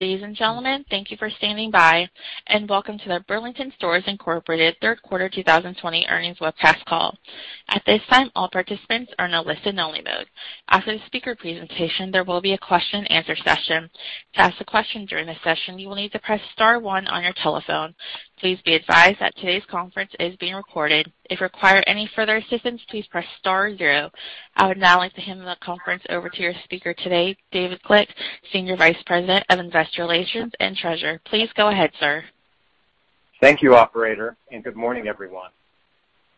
Ladies and gentlemen, thank you for standing by, and welcome to the Burlington Stores Incorporated Third Quarter 2020 Earnings Webcast Call. At this time, all participants are on a listen-only mode. After the speaker presentation, there will be a question-and-answer session. To ask a question during the session, you will need to press star one on your telephone. Please be advised that today's conference is being recorded. If you require any further assistance, please press star zero. I would now like to hand the conference over to your speaker today, David Glick, Senior Vice President of Investor Relations and Treasurer. Please go ahead, sir. Thank you, Operator, and good morning, everyone.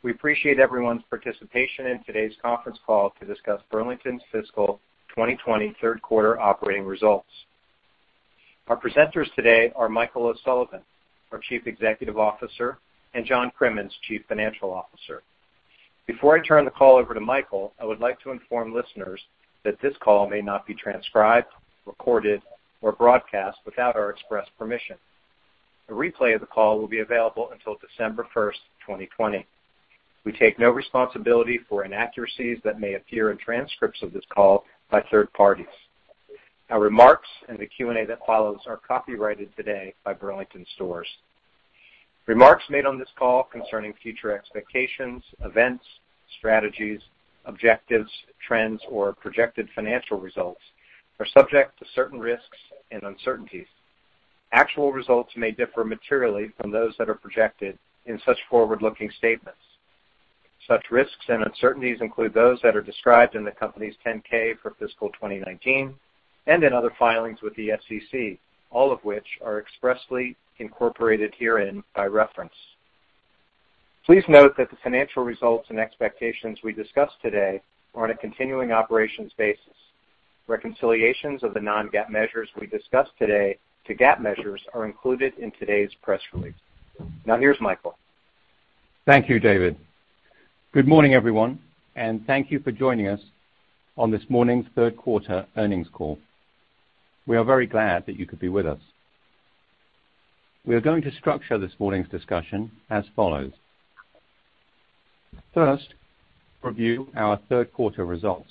We appreciate everyone's participation in today's conference call to discuss Burlington's fiscal 2020 third quarter operating results. Our presenters today are Michael O'Sullivan, our Chief Executive Officer, and John Crimmins, Chief Financial Officer. Before I turn the call over to Michael, I would like to inform listeners that this call may not be transcribed, recorded, or broadcast without our express permission. A replay of the call will be available until December 1st, 2020. We take no responsibility for inaccuracies that may appear in transcripts of this call by third parties. Our remarks and the Q&A that follows are copyrighted today by Burlington Stores. Remarks made on this call concerning future expectations, events, strategies, objectives, trends, or projected financial results are subject to certain risks and uncertainties. Actual results may differ materially from those that are projected in such forward-looking statements. Such risks and uncertainties include those that are described in the company's 10-K for fiscal 2019 and in other filings with the SEC, all of which are expressly incorporated herein by reference. Please note that the financial results and expectations we discuss today are on a continuing operations basis. Reconciliations of the non-GAAP measures we discussed today to GAAP measures are included in today's press release. Now, here's Michael. Thank you, David. Good morning, everyone, and thank you for joining us on this morning's third quarter earnings call. We are very glad that you could be with us. We are going to structure this morning's discussion as follows. First, review our third quarter results.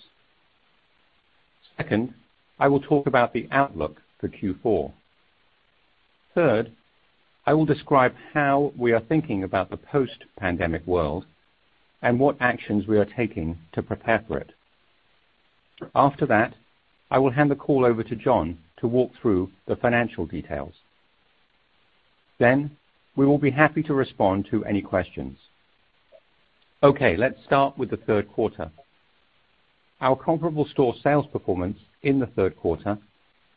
Second, I will talk about the outlook for Q4. Third, I will describe how we are thinking about the post-pandemic world and what actions we are taking to prepare for it. After that, I will hand the call over to John to walk through the financial details. Then, we will be happy to respond to any questions. Okay, let's start with the third quarter. Our comparable store sales performance in the third quarter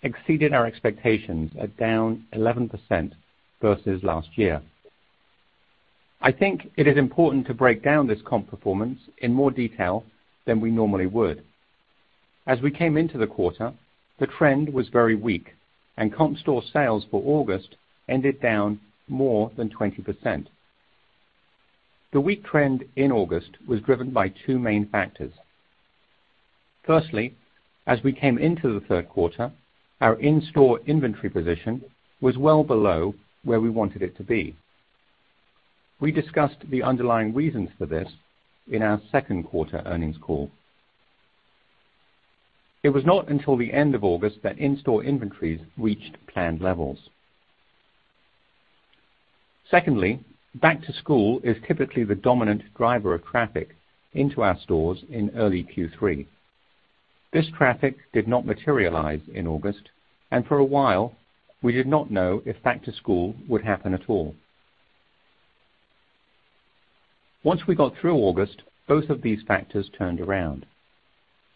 exceeded our expectations at down 11% versus last year. I think it is important to break down this comp performance in more detail than we normally would. As we came into the quarter, the trend was very weak, and comp store sales for August ended down more than 20%. The weak trend in August was driven by two main factors. Firstly, as we came into the third quarter, our in-store inventory position was well below where we wanted it to be. We discussed the underlying reasons for this in our second quarter earnings call. It was not until the end of August that in-store inventories reached planned levels. Secondly, back-to-school is typically the dominant driver of traffic into our stores in early Q3. This traffic did not materialize in August, and for a while, we did not know if back-to-school would happen at all. Once we got through August, both of these factors turned around.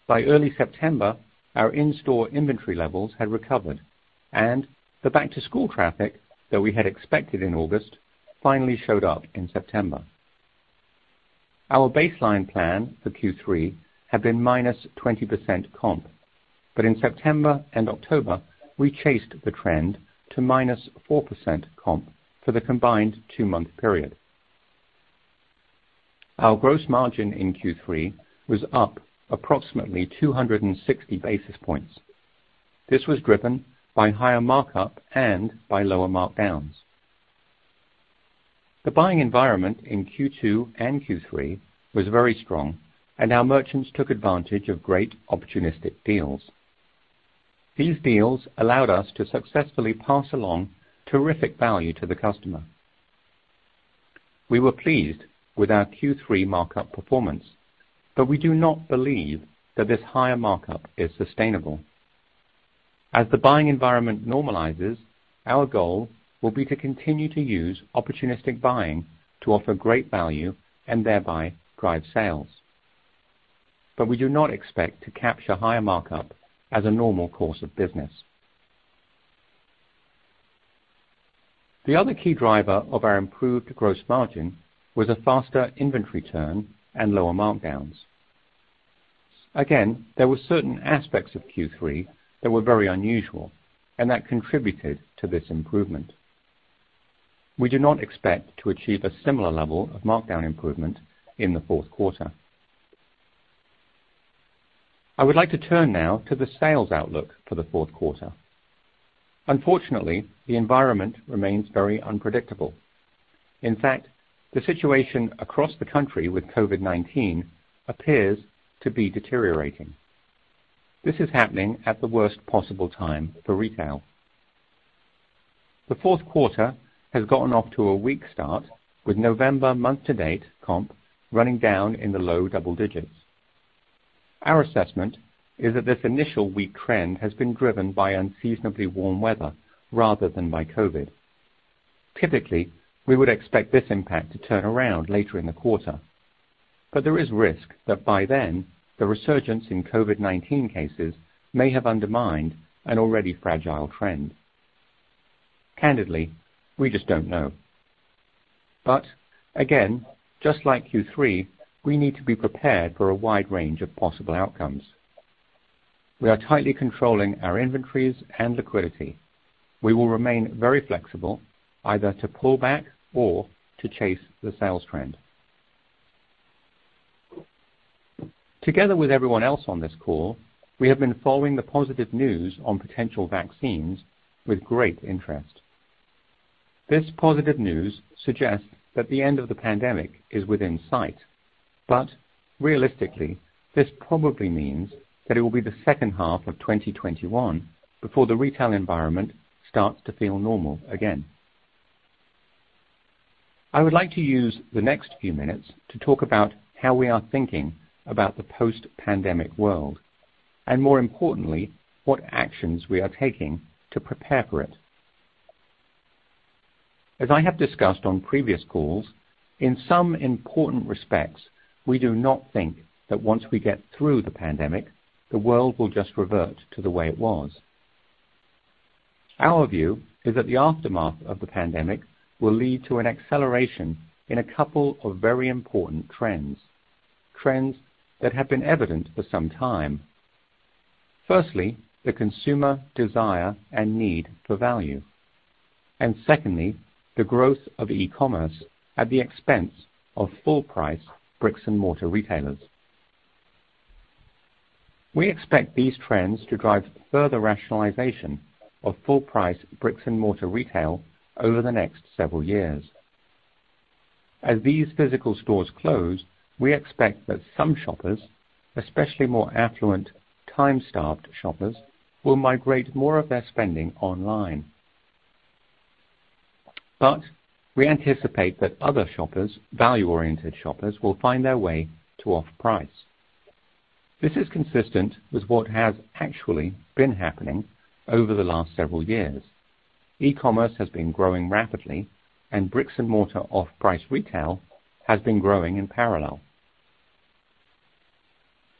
By early September, our in-store inventory levels had recovered, and the back-to-school traffic that we had expected in August finally showed up in September. Our baseline plan for Q3 had been minus 20% comp, but in September and October, we chased the trend to minus 4% comp for the combined two-month period. Our gross margin in Q3 was up approximately 260 basis points. This was driven by higher markup and by lower markdowns. The buying environment in Q2 and Q3 was very strong, and our merchants took advantage of great opportunistic deals. These deals allowed us to successfully pass along terrific value to the customer. We were pleased with our Q3 markup performance, but we do not believe that this higher markup is sustainable. As the buying environment normalizes, our goal will be to continue to use opportunistic buying to offer great value and thereby drive sales. But we do not expect to capture higher markup as a normal course of business. The other key driver of our improved gross margin was a faster inventory turn and lower markdowns. Again, there were certain aspects of Q3 that were very unusual and that contributed to this improvement. We do not expect to achieve a similar level of markdown improvement in the fourth quarter. I would like to turn now to the sales outlook for the fourth quarter. Unfortunately, the environment remains very unpredictable. In fact, the situation across the country with COVID-19 appears to be deteriorating. This is happening at the worst possible time for retail. The fourth quarter has gotten off to a weak start, with November month-to-date comp running down in the low double digits. Our assessment is that this initial weak trend has been driven by unseasonably warm weather rather than by COVID. Typically, we would expect this impact to turn around later in the quarter, but there is risk that by then the resurgence in COVID-19 cases may have undermined an already fragile trend. Candidly, we just don't know. But again, just like Q3, we need to be prepared for a wide range of possible outcomes. We are tightly controlling our inventories and liquidity. We will remain very flexible, either to pull back or to chase the sales trend. Together with everyone else on this call, we have been following the positive news on potential vaccines with great interest. This positive news suggests that the end of the pandemic is within sight, but realistically, this probably means that it will be the second half of 2021 before the retail environment starts to feel normal again. I would like to use the next few minutes to talk about how we are thinking about the post-pandemic world, and more importantly, what actions we are taking to prepare for it. As I have discussed on previous calls, in some important respects, we do not think that once we get through the pandemic, the world will just revert to the way it was. Our view is that the aftermath of the pandemic will lead to an acceleration in a couple of very important trends, trends that have been evident for some time. Firstly, the consumer desire and need for value, and secondly, the growth of e-commerce at the expense of full-price bricks-and-mortar retailers. We expect these trends to drive further rationalization of full-price bricks-and-mortar retail over the next several years. As these physical stores close, we expect that some shoppers, especially more affluent, time-starved shoppers, will migrate more of their spending online. But we anticipate that other shoppers, value-oriented shoppers, will find their way to off-price. This is consistent with what has actually been happening over the last several years. E-commerce has been growing rapidly, and bricks-and-mortar off-price retail has been growing in parallel.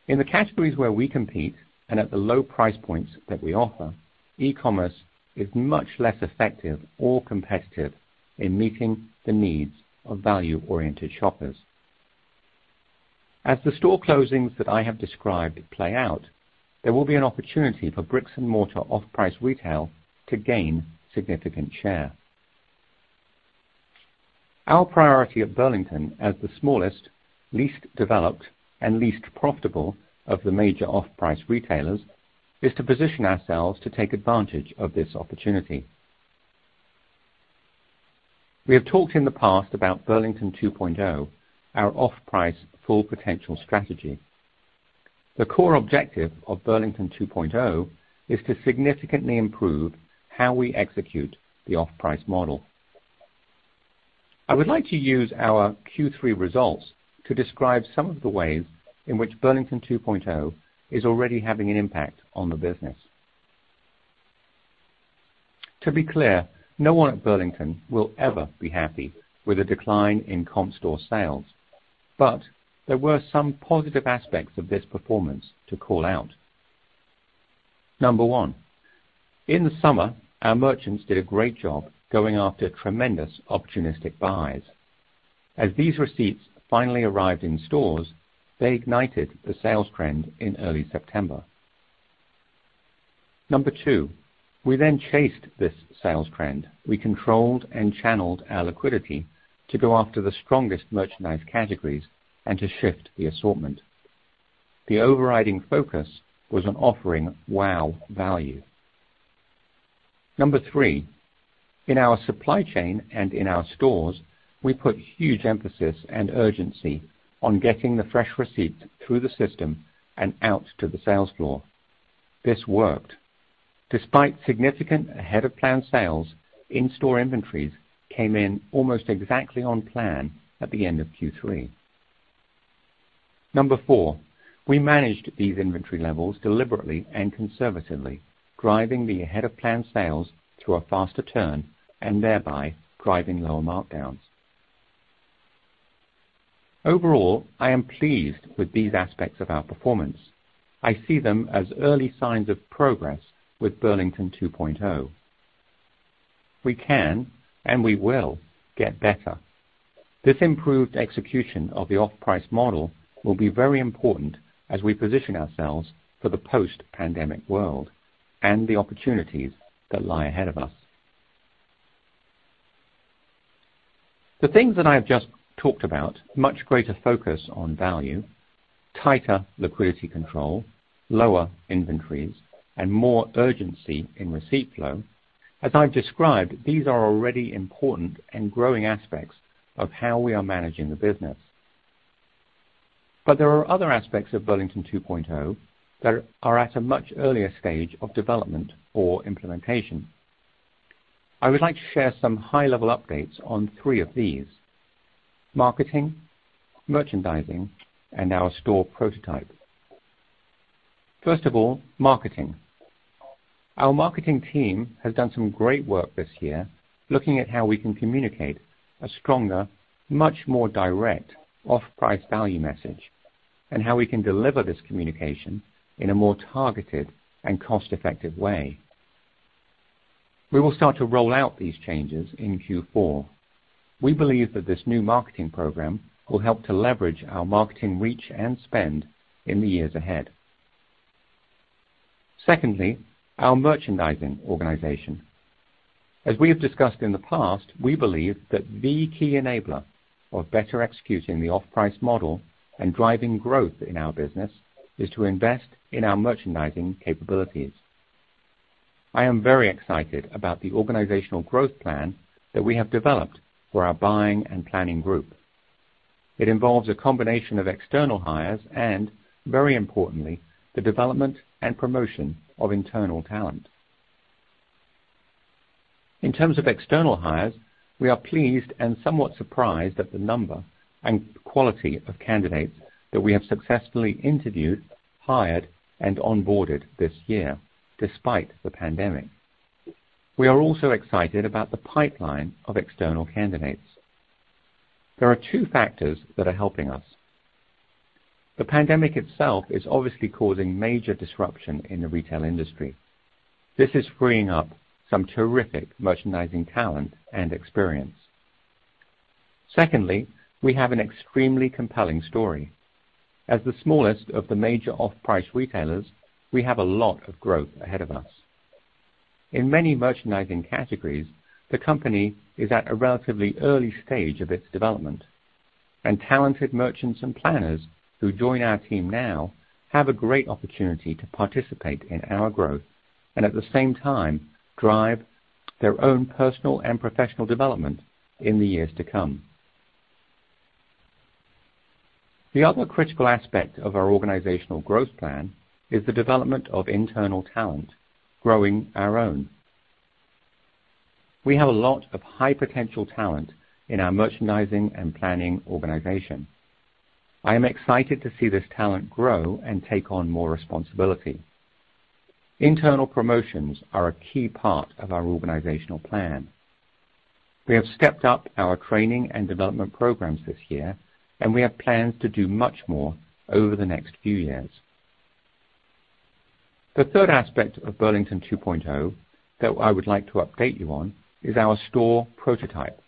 In the categories where we compete and at the low price points that we offer, e-commerce is much less effective or competitive in meeting the needs of value-oriented shoppers. As the store closings that I have described play out, there will be an opportunity for bricks-and-mortar off-price retail to gain significant share. Our priority at Burlington, as the smallest, least developed, and least profitable of the major off-price retailers, is to position ourselves to take advantage of this opportunity. We have talked in the past about Burlington 2.0, our Off-Price Full Potential strategy. The core objective of Burlington 2.0 is to significantly improve how we execute the off-price model. I would like to use our Q3 results to describe some of the ways in which Burlington 2.0 is already having an impact on the business. To be clear, no one at Burlington will ever be happy with a decline in comp store sales, but there were some positive aspects of this performance to call out. Number one, in the summer, our merchants did a great job going after tremendous opportunistic buys. As these receipts finally arrived in stores, they ignited the sales trend in early September. Number two, we then chased this sales trend. We controlled and channeled our liquidity to go after the strongest merchandise categories and to shift the assortment. The overriding focus was on offering wow value. Number three, in our supply chain and in our stores, we put huge emphasis and urgency on getting the fresh receipt through the system and out to the sales floor. This worked. Despite significant ahead-of-plan sales, in-store inventories came in almost exactly on plan at the end of Q3. Number four, we managed these inventory levels deliberately and conservatively, driving the ahead-of-plan sales to a faster turn and thereby driving lower markdowns. Overall, I am pleased with these aspects of our performance. I see them as early signs of progress with Burlington 2.0. We can, and we will, get better. This improved execution of the off-price model will be very important as we position ourselves for the post-pandemic world and the opportunities that lie ahead of us. The things that I've just talked about: much greater focus on value, tighter liquidity control, lower inventories, and more urgency in receipt flow. As I've described, these are already important and growing aspects of how we are managing the business. But there are other aspects of Burlington 2.0 that are at a much earlier stage of development or implementation. I would like to share some high-level updates on three of these: marketing, merchandising, and our store prototype. First of all, marketing. Our marketing team has done some great work this year looking at how we can communicate a stronger, much more direct off-price value message and how we can deliver this communication in a more targeted and cost-effective way. We will start to roll out these changes in Q4. We believe that this new marketing program will help to leverage our marketing reach and spend in the years ahead. Secondly, our merchandising organization. As we have discussed in the past, we believe that the key enabler of better executing the off-price model and driving growth in our business is to invest in our merchandising capabilities. I am very excited about the organizational growth plan that we have developed for our buying and planning group. It involves a combination of external hires and, very importantly, the development and promotion of internal talent. In terms of external hires, we are pleased and somewhat surprised at the number and quality of candidates that we have successfully interviewed, hired, and onboarded this year despite the pandemic. We are also excited about the pipeline of external candidates. There are two factors that are helping us. The pandemic itself is obviously causing major disruption in the retail industry. This is freeing up some terrific merchandising talent and experience. Secondly, we have an extremely compelling story. As the smallest of the major off-price retailers, we have a lot of growth ahead of us. In many merchandising categories, the company is at a relatively early stage of its development, and talented merchants and planners who join our team now have a great opportunity to participate in our growth and, at the same time, drive their own personal and professional development in the years to come. The other critical aspect of our organizational growth plan is the development of internal talent, growing our own. We have a lot of high-potential talent in our merchandising and planning organization. I am excited to see this talent grow and take on more responsibility. Internal promotions are a key part of our organizational plan. We have stepped up our training and development programs this year, and we have plans to do much more over the next few years. The third aspect of Burlington 2.0 that I would like to update you on is our store prototype.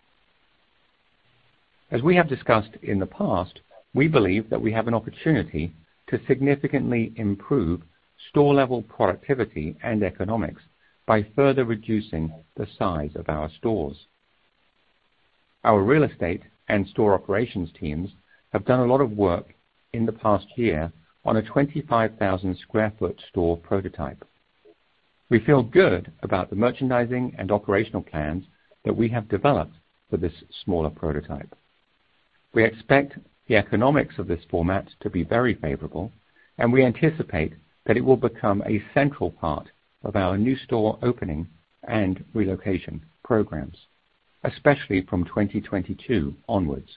As we have discussed in the past, we believe that we have an opportunity to significantly improve store-level productivity and economics by further reducing the size of our stores. Our real estate and store operations teams have done a lot of work in the past year on a 25,000 sq ft store prototype. We feel good about the merchandising and operational plans that we have developed for this smaller prototype. We expect the economics of this format to be very favorable, and we anticipate that it will become a central part of our new store opening and relocation programs, especially from 2022 onwards.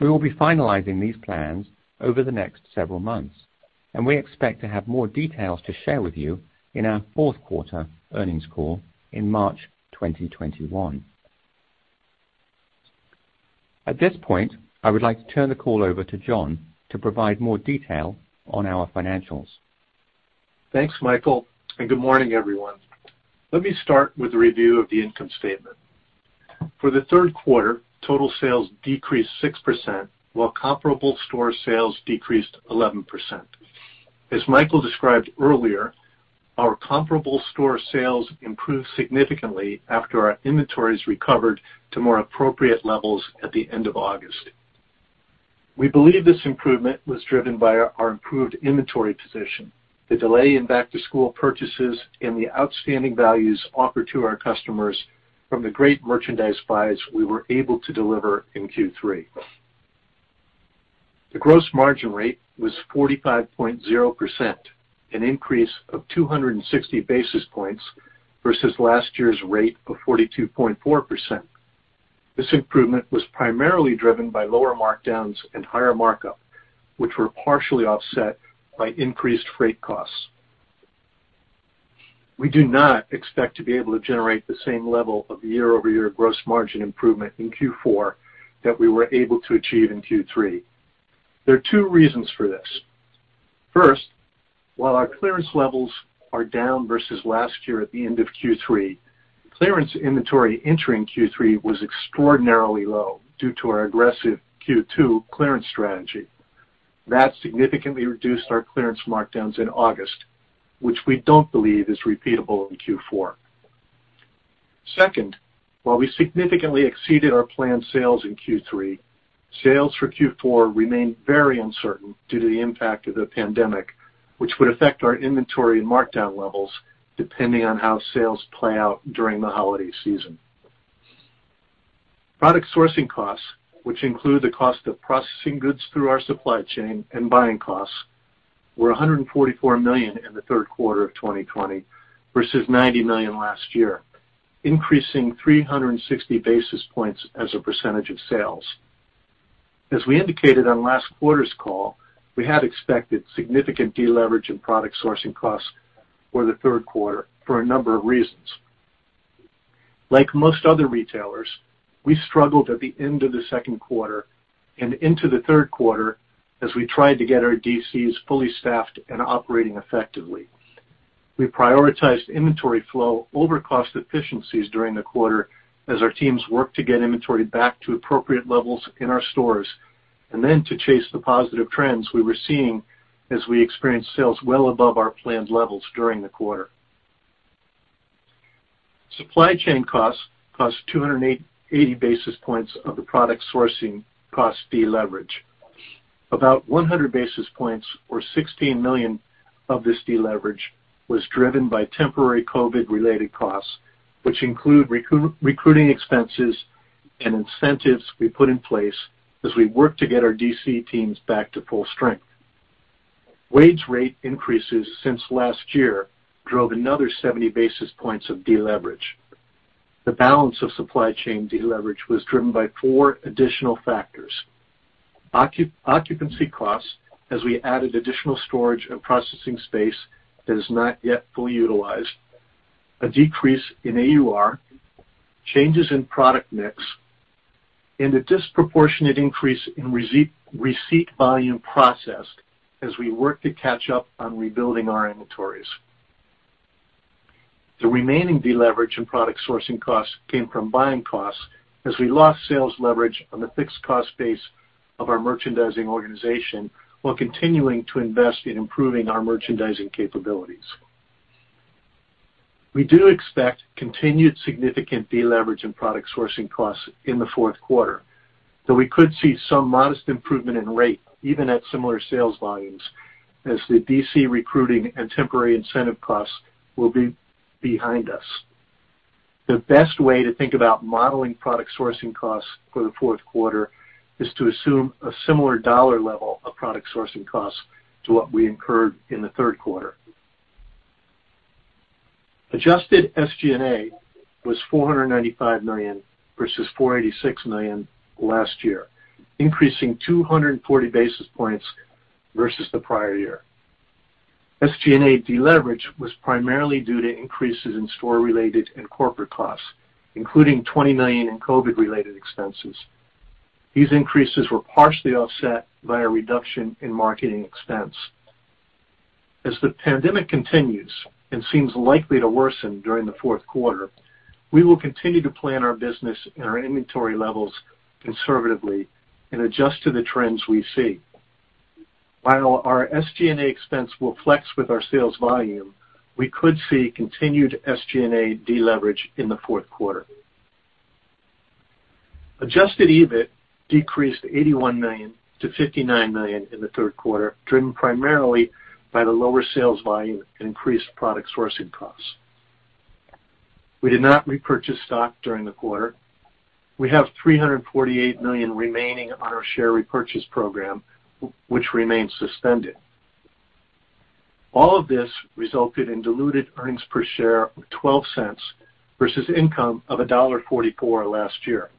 We will be finalizing these plans over the next several months, and we expect to have more details to share with you in our fourth quarter earnings call in March 2021. At this point, I would like to turn the call over to John to provide more detail on our financials. Thanks, Michael, and good morning, everyone. Let me start with a review of the income statement. For the third quarter, total sales decreased 6%, while comparable store sales decreased 11%. As Michael described earlier, our comparable store sales improved significantly after our inventories recovered to more appropriate levels at the end of August. We believe this improvement was driven by our improved inventory position, the delay in back-to-school purchases, and the outstanding values offered to our customers from the great merchandise buys we were able to deliver in Q3. The gross margin rate was 45.0%, an increase of 260 basis points versus last year's rate of 42.4%. This improvement was primarily driven by lower markdowns and higher markup, which were partially offset by increased freight costs. We do not expect to be able to generate the same level of year-over-year gross margin improvement in Q4 that we were able to achieve in Q3. There are two reasons for this. First, while our clearance levels are down versus last year at the end of Q3, clearance inventory entering Q3 was extraordinarily low due to our aggressive Q2 clearance strategy. That significantly reduced our clearance markdowns in August, which we don't believe is repeatable in Q4. Second, while we significantly exceeded our planned sales in Q3, sales for Q4 remained very uncertain due to the impact of the pandemic, which would affect our inventory and markdown levels depending on how sales play out during the holiday season. Product sourcing costs, which include the cost of processing goods through our supply chain and buying costs, were $144 million in the third quarter of 2020 versus $90 million last year, increasing 360 basis points as a percentage of sales. As we indicated on last quarter's call, we had expected significant deleverage in product sourcing costs for the third quarter for a number of reasons. Like most other retailers, we struggled at the end of the second quarter and into the third quarter as we tried to get our DCs fully staffed and operating effectively. We prioritized inventory flow over cost efficiencies during the quarter as our teams worked to get inventory back to appropriate levels in our stores and then to chase the positive trends we were seeing as we experienced sales well above our planned levels during the quarter. Supply chain costs cost 280 basis points of the product sourcing cost deleverage. About 100 basis points, or $16 million of this deleverage, was driven by temporary COVID-related costs, which include recruiting expenses and incentives we put in place as we worked to get our DC teams back to full strength. Wage rate increases since last year drove another 70 basis points of deleverage. The balance of supply chain deleverage was driven by four additional factors: occupancy costs as we added additional storage and processing space that is not yet fully utilized, a decrease in AUR, changes in product mix, and a disproportionate increase in receipt volume processed as we worked to catch up on rebuilding our inventories. The remaining deleverage in product sourcing costs came from buying costs as we lost sales leverage on the fixed cost base of our merchandising organization while continuing to invest in improving our merchandising capabilities. We do expect continued significant deleverage in product sourcing costs in the fourth quarter, though we could see some modest improvement in rate even at similar sales volumes as the DC recruiting and temporary incentive costs will be behind us. The best way to think about modeling product sourcing costs for the fourth quarter is to assume a similar dollar level of product sourcing costs to what we incurred in the third quarter. Adjusted SG&A was $495 million versus $486 million last year, increasing 240 basis points versus the prior year. SG&A deleverage was primarily due to increases in store-related and corporate costs, including $20 million in COVID-related expenses. These increases were partially offset by a reduction in marketing expense. As the pandemic continues and seems likely to worsen during the fourth quarter, we will continue to plan our business and our inventory levels conservatively and adjust to the trends we see. While our SG&A expense will flex with our sales volume, we could see continued SG&A deleverage in the fourth quarter. Adjusted EBIT decreased $81 million-$59 million in the third quarter, driven primarily by the lower sales volume and increased product sourcing costs. We did not repurchase stock during the quarter. We have $348 million remaining on our share repurchase program, which remains suspended. All of this resulted in diluted earnings per share of $0.12 versus income of $1.44 last year.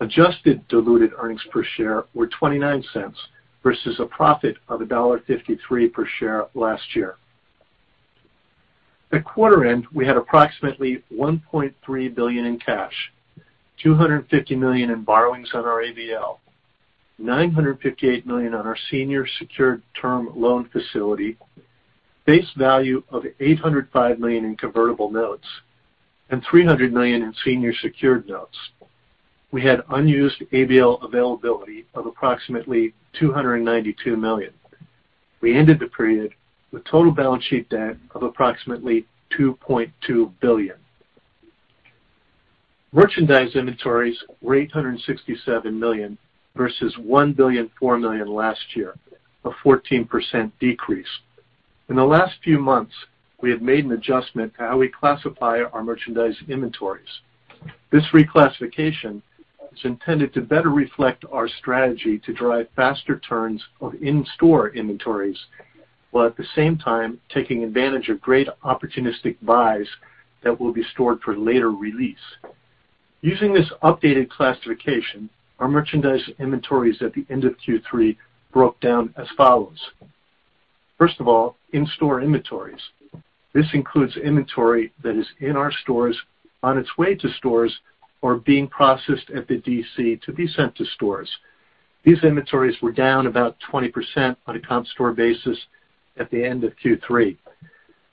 Adjusted diluted earnings per share were $0.29 versus a profit of $1.53 per share last year. At quarter end, we had approximately $1.3 billion in cash, $250 million in borrowings on our ABL, $958 million on our senior secured term loan facility, base value of $805 million in convertible notes, and $300 million in senior secured notes. We had unused ABL availability of approximately $292 million. We ended the period with total balance sheet debt of approximately $2.2 billion. Merchandise inventories were $867 million versus $1.004 billion last year, a 14% decrease. In the last few months, we had made an adjustment to how we classify our merchandise inventories. This reclassification is intended to better reflect our strategy to drive faster turns of in-store inventories while at the same time taking advantage of great opportunistic buys that will be stored for later release. Using this updated classification, our merchandise inventories at the end of Q3 broke down as follows. First of all, in-store inventories. This includes inventory that is in our stores, on its way to stores, or being processed at the DC to be sent to stores. These inventories were down about 20% on a comp store basis at the end of Q3.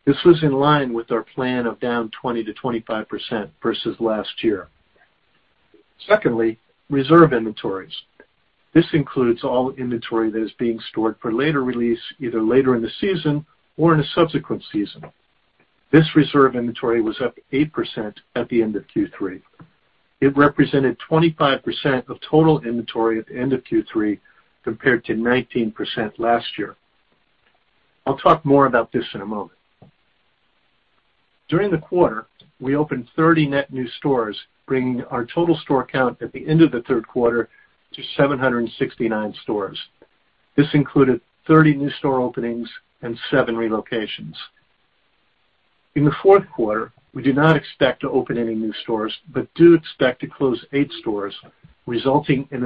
This was in line with our plan of down 20%-25% versus last year. Secondly, reserve inventories. This includes all inventory that is being stored for later release, either later in the season or in a subsequent season. This reserve inventory was up 8% at the end of Q3. It represented 25% of total inventory at the end of Q3 compared to 19% last year. I'll talk more about this in a moment. During the quarter, we opened 30 net new stores, bringing our total store count at the end of the third quarter to 769 stores. This included 30 new store openings and seven relocations. In the fourth quarter, we do not expect to open any new stores but do expect to close eight stores, resulting in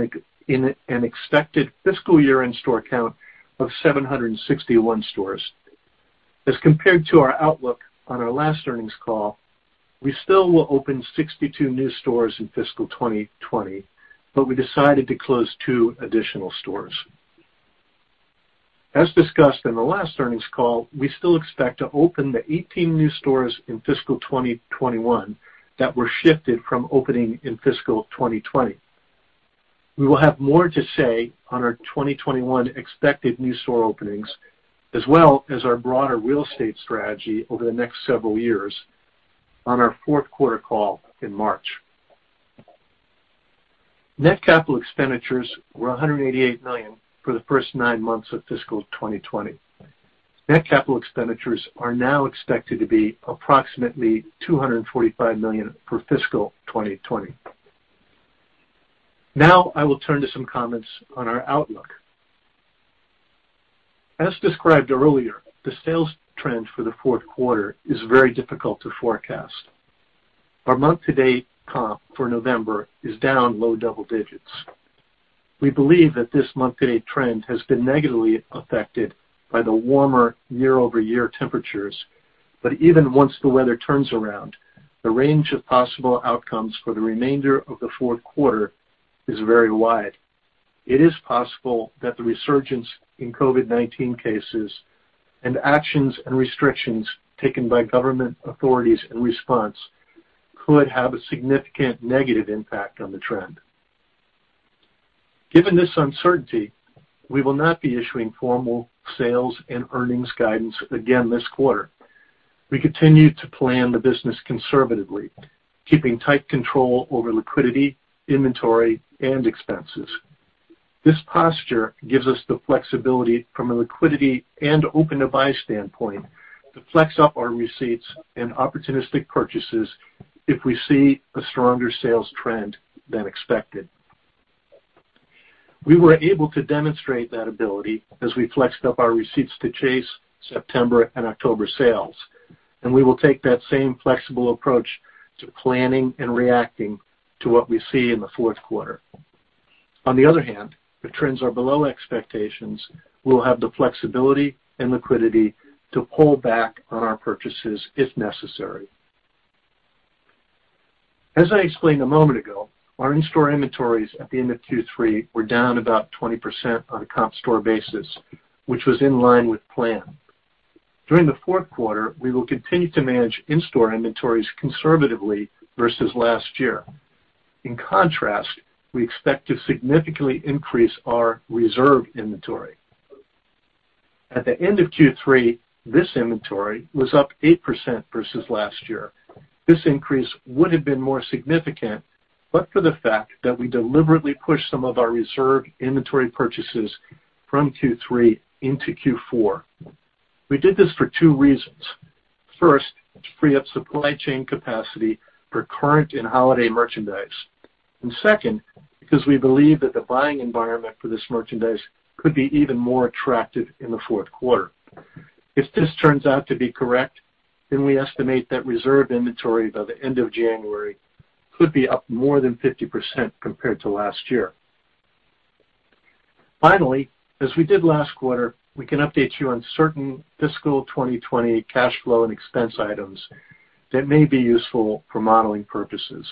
an expected fiscal year-end store count of 761 stores. As compared to our outlook on our last earnings call, we still will open 62 new stores in fiscal 2020, but we decided to close two additional stores. As discussed in the last earnings call, we still expect to open the 18 new stores in fiscal 2021 that were shifted from opening in fiscal 2020. We will have more to say on our 2021 expected new store openings, as well as our broader real estate strategy over the next several years on our fourth quarter call in March. Net capital expenditures were $188 million for the first nine months of fiscal 2020. Net capital expenditures are now expected to be approximately $245 million for fiscal 2020. Now, I will turn to some comments on our outlook. As described earlier, the sales trend for the fourth quarter is very difficult to forecast. Our month-to-date comp for November is down low double digits. We believe that this month-to-date trend has been negatively affected by the warmer year-over-year temperatures, but even once the weather turns around, the range of possible outcomes for the remainder of the fourth quarter is very wide. It is possible that the resurgence in COVID-19 cases and actions and restrictions taken by government authorities in response could have a significant negative impact on the trend. Given this uncertainty, we will not be issuing formal sales and earnings guidance again this quarter. We continue to plan the business conservatively, keeping tight control over liquidity, inventory, and expenses. This posture gives us the flexibility from a liquidity and open-to-buy standpoint to flex up our receipts and opportunistic purchases if we see a stronger sales trend than expected. We were able to demonstrate that ability as we flexed up our receipts to chase September and October sales, and we will take that same flexible approach to planning and reacting to what we see in the fourth quarter. On the other hand, if trends are below expectations, we'll have the flexibility and liquidity to pull back on our purchases if necessary. As I explained a moment ago, our in-store inventories at the end of Q3 were down about 20% on a comp store basis, which was in line with plan. During the fourth quarter, we will continue to manage in-store inventories conservatively versus last year. In contrast, we expect to significantly increase our reserve inventory. At the end of Q3, this inventory was up 8% versus last year. This increase would have been more significant, but for the fact that we deliberately pushed some of our reserve inventory purchases from Q3 into Q4. We did this for two reasons. First, to free up supply chain capacity for current and holiday merchandise. And second, because we believe that the buying environment for this merchandise could be even more attractive in the fourth quarter. If this turns out to be correct, then we estimate that reserve inventory by the end of January could be up more than 50% compared to last year. Finally, as we did last quarter, we can update you on certain fiscal 2020 cash flow and expense items that may be useful for modeling purposes.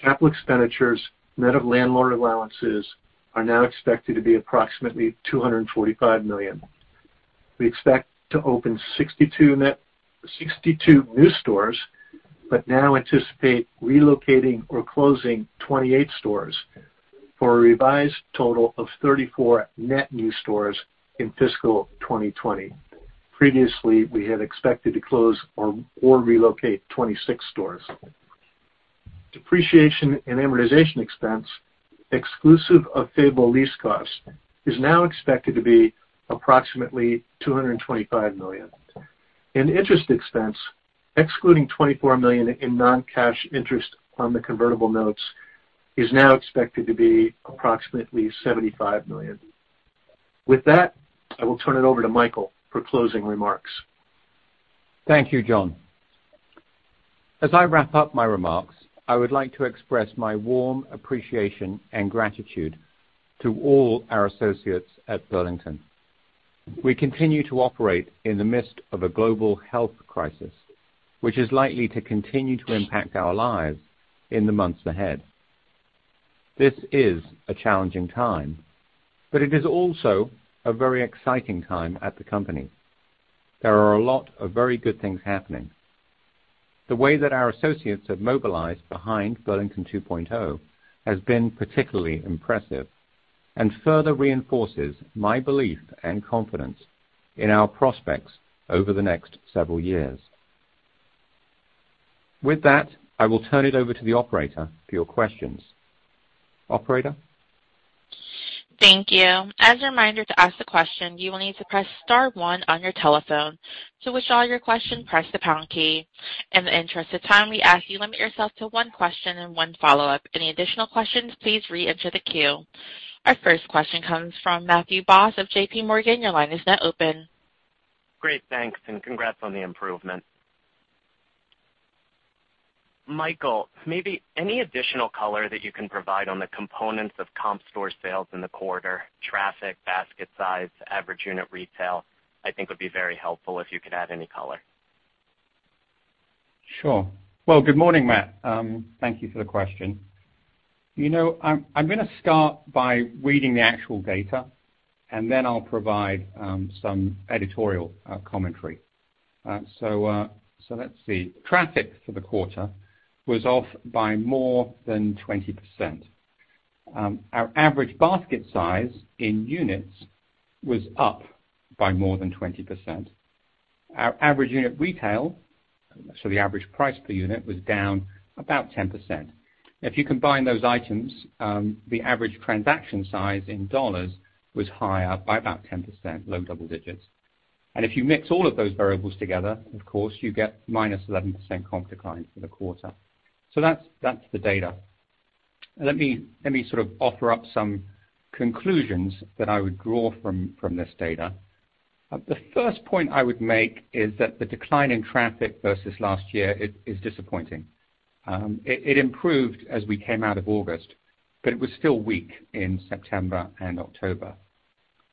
Capital expenditures net of landlord allowances are now expected to be approximately $245 million. We expect to open 62 new stores, but now anticipate relocating or closing 28 stores for a revised total of 34 net new stores in fiscal 2020. Previously, we had expected to close or relocate 26 stores. Depreciation and amortization expense, exclusive of favorable lease costs, is now expected to be approximately $225 million, and interest expense, excluding $24 million in non-cash interest on the convertible notes, is now expected to be approximately $75 million. With that, I will turn it over to Michael for closing remarks. Thank you, John. As I wrap up my remarks, I would like to express my warm appreciation and gratitude to all our associates at Burlington. We continue to operate in the midst of a global health crisis, which is likely to continue to impact our lives in the months ahead. This is a challenging time, but it is also a very exciting time at the company. There are a lot of very good things happening. The way that our associates have mobilized behind Burlington 2.0 has been particularly impressive and further reinforces my belief and confidence in our prospects over the next several years. With that, I will turn it over to the operator for your questions. Operator. Thank you. As a reminder to ask the question, you will need to press star one on your telephone. To which all your questions, press the pound key. In the interest of time, we ask you to limit yourself to one question and one follow-up. Any additional questions, please re-enter the queue. Our first question comes from Matthew Boss of JPMorgan. Your line is now open. Great. Thanks, and congrats on the improvement. Michael, maybe any additional color that you can provide on the components of comp store sales in the quarter: traffic, basket size, average unit retail. I think would be very helpful if you could add any color. Sure. Well, good morning, Matt. Thank you for the question. I'm going to start by reading the actual data, and then I'll provide some editorial commentary. So let's see. Traffic for the quarter was off by more than 20%. Our average basket size in units was up by more than 20%. Our average unit retail, so the average price per unit, was down about 10%. If you combine those items, the average transaction size in dollars was higher by about 10%, low double digits. And if you mix all of those variables together, of course, you get minus 11% comp declines for the quarter. So that's the data. Let me sort of offer up some conclusions that I would draw from this data. The first point I would make is that the decline in traffic versus last year is disappointing. It improved as we came out of August, but it was still weak in September and October.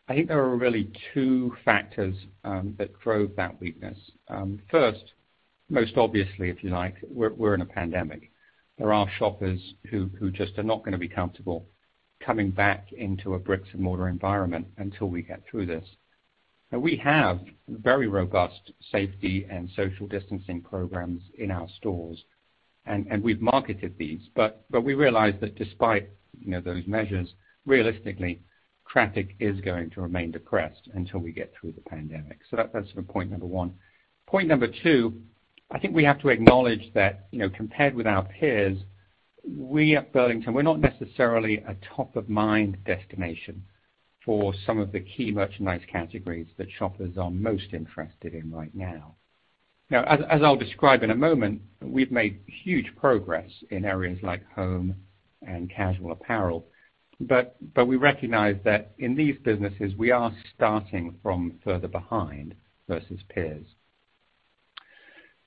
I think there are really two factors that drove that weakness. First, most obviously, if you like, we're in a pandemic. There are shoppers who just are not going to be comfortable coming back into a brick-and-mortar environment until we get through this. Now, we have very robust safety and social distancing programs in our stores, and we've marketed these, but we realize that despite those measures, realistically, traffic is going to remain depressed until we get through the pandemic. So that's point number one. Point number two, I think we have to acknowledge that compared with our peers, we at Burlington, we're not necessarily a top-of-mind destination for some of the key merchandise categories that shoppers are most interested in right now. Now, as I'll describe in a moment, we've made huge progress in areas like home and casual apparel, but we recognize that in these businesses, we are starting from further behind versus peers.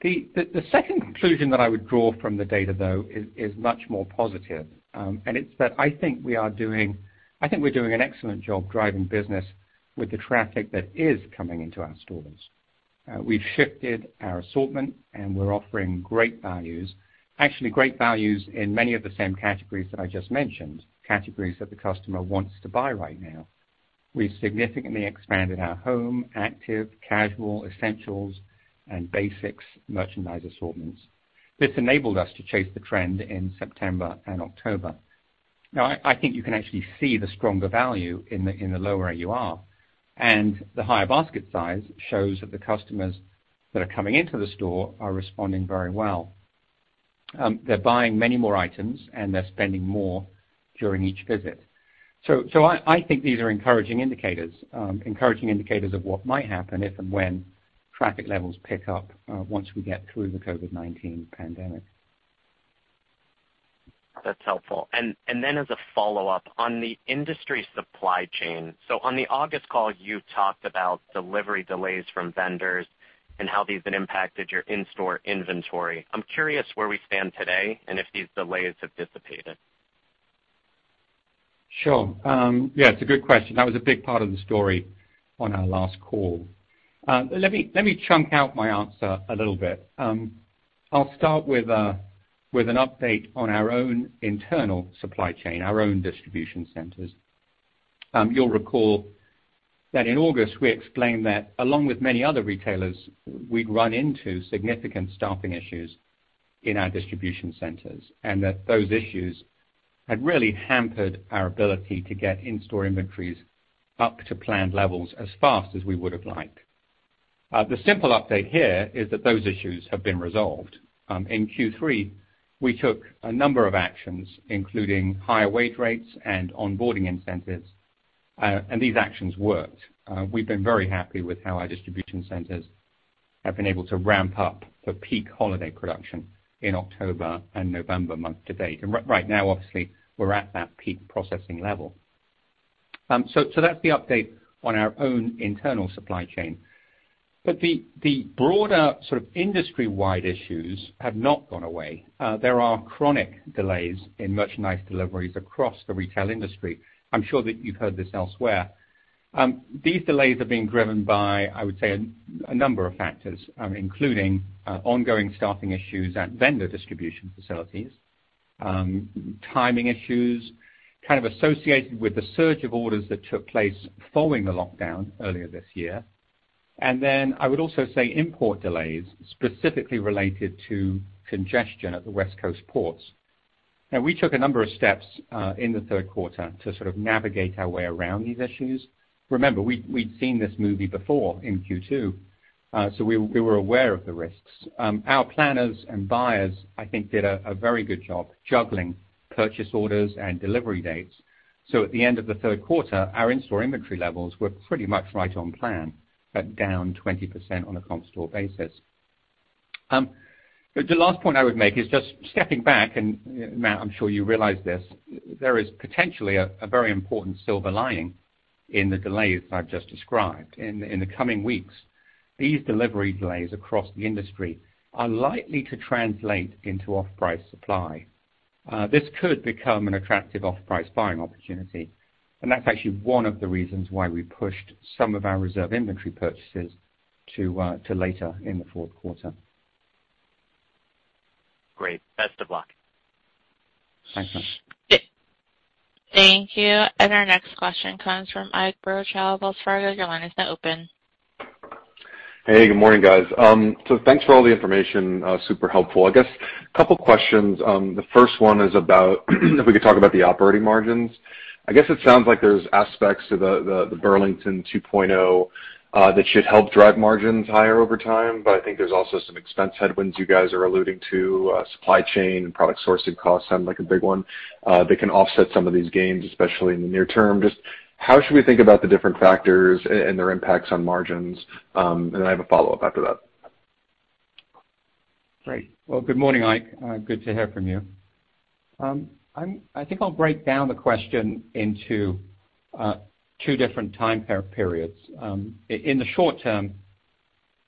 The second conclusion that I would draw from the data, though, is much more positive, and it's that I think we're doing an excellent job driving business with the traffic that is coming into our stores. We've shifted our assortment, and we're offering great values, actually great values in many of the same categories that I just mentioned, categories that the customer wants to buy right now. We've significantly expanded our home, active, casual, essentials, and basics merchandise assortments. This enabled us to chase the trend in September and October. Now, I think you can actually see the stronger value in the lower AUR, and the higher basket size shows that the customers that are coming into the store are responding very well. They're buying many more items, and they're spending more during each visit. So I think these are encouraging indicators, encouraging indicators of what might happen if and when traffic levels pick up once we get through the COVID-19 pandemic. That's helpful, and then as a follow-up, on the industry supply chain, so on the August call, you talked about delivery delays from vendors and how these have impacted your in-store inventory. I'm curious where we stand today and if these delays have dissipated. Sure. Yeah, it's a good question. That was a big part of the story on our last call. Let me chunk out my answer a little bit. I'll start with an update on our own internal supply chain, our own distribution centers. You'll recall that in August, we explained that along with many other retailers, we'd run into significant stopping issues in our distribution centers and that those issues had really hampered our ability to get in-store inventories up to planned levels as fast as we would have liked. The simple update here is that those issues have been resolved. In Q3, we took a number of actions, including higher wage rates and onboarding incentives, and these actions worked. We've been very happy with how our distribution centers have been able to ramp up the peak holiday production in October and November month to date, and right now, obviously, we're at that peak processing level. So that's the update on our own internal supply chain. But the broader sort of industry-wide issues have not gone away. There are chronic delays in merchandise deliveries across the retail industry. I'm sure that you've heard this elsewhere. These delays have been driven by, I would say, a number of factors, including ongoing staffing issues at vendor distribution facilities, timing issues kind of associated with the surge of orders that took place following the lockdown earlier this year. And then I would also say import delays specifically related to congestion at the West Coast ports. Now, we took a number of steps in the third quarter to sort of navigate our way around these issues. Remember, we'd seen this movie before in Q2, so we were aware of the risks. Our planners and buyers, I think, did a very good job juggling purchase orders and delivery dates. So at the end of the third quarter, our in-store inventory levels were pretty much right on plan, but down 20% on a comp store basis. The last point I would make is just stepping back, and now I'm sure you realize this, there is potentially a very important silver lining in the delays that I've just described. In the coming weeks, these delivery delays across the industry are likely to translate into off-price supply. This could become an attractive off-price buying opportunity, and that's actually one of the reasons why we pushed some of our reserve inventory purchases to later in the fourth quarter. Great. Best of luck. Thanks, Matt. Thank you. And our next question comes from Ike Boruchow, Wells Fargo. Your line is now open. Hey, good morning, guys. So thanks for all the information. Super helpful. I guess a couple of questions. The first one is about if we could talk about the operating margins. I guess it sounds like there's aspects to the Burlington 2.0 that should help drive margins higher over time, but I think there's also some expense headwinds you guys are alluding to. Supply chain and product sourcing costs sound like a big one that can offset some of these gains, especially in the near term. Just how should we think about the different factors and their impacts on margins? And then I have a follow-up after that. Great. Well, good morning, Ike. Good to hear from you. I think I'll break down the question into two different time periods. In the short term,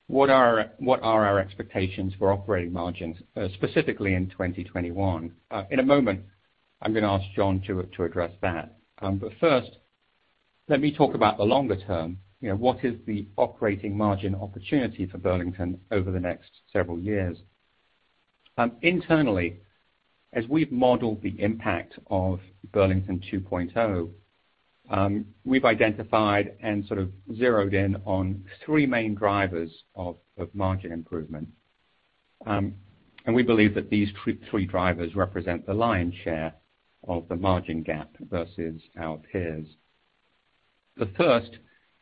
what are our expectations for operating margins, specifically in 2021? In a moment, I'm going to ask John to address that. But first, let me talk about the longer term. What is the operating margin opportunity for Burlington over the next several years? Internally, as we've modeled the impact of Burlington 2.0, we've identified and sort of zeroed in on three main drivers of margin improvement. And we believe that these three drivers represent the lion's share of the margin gap versus our peers. The first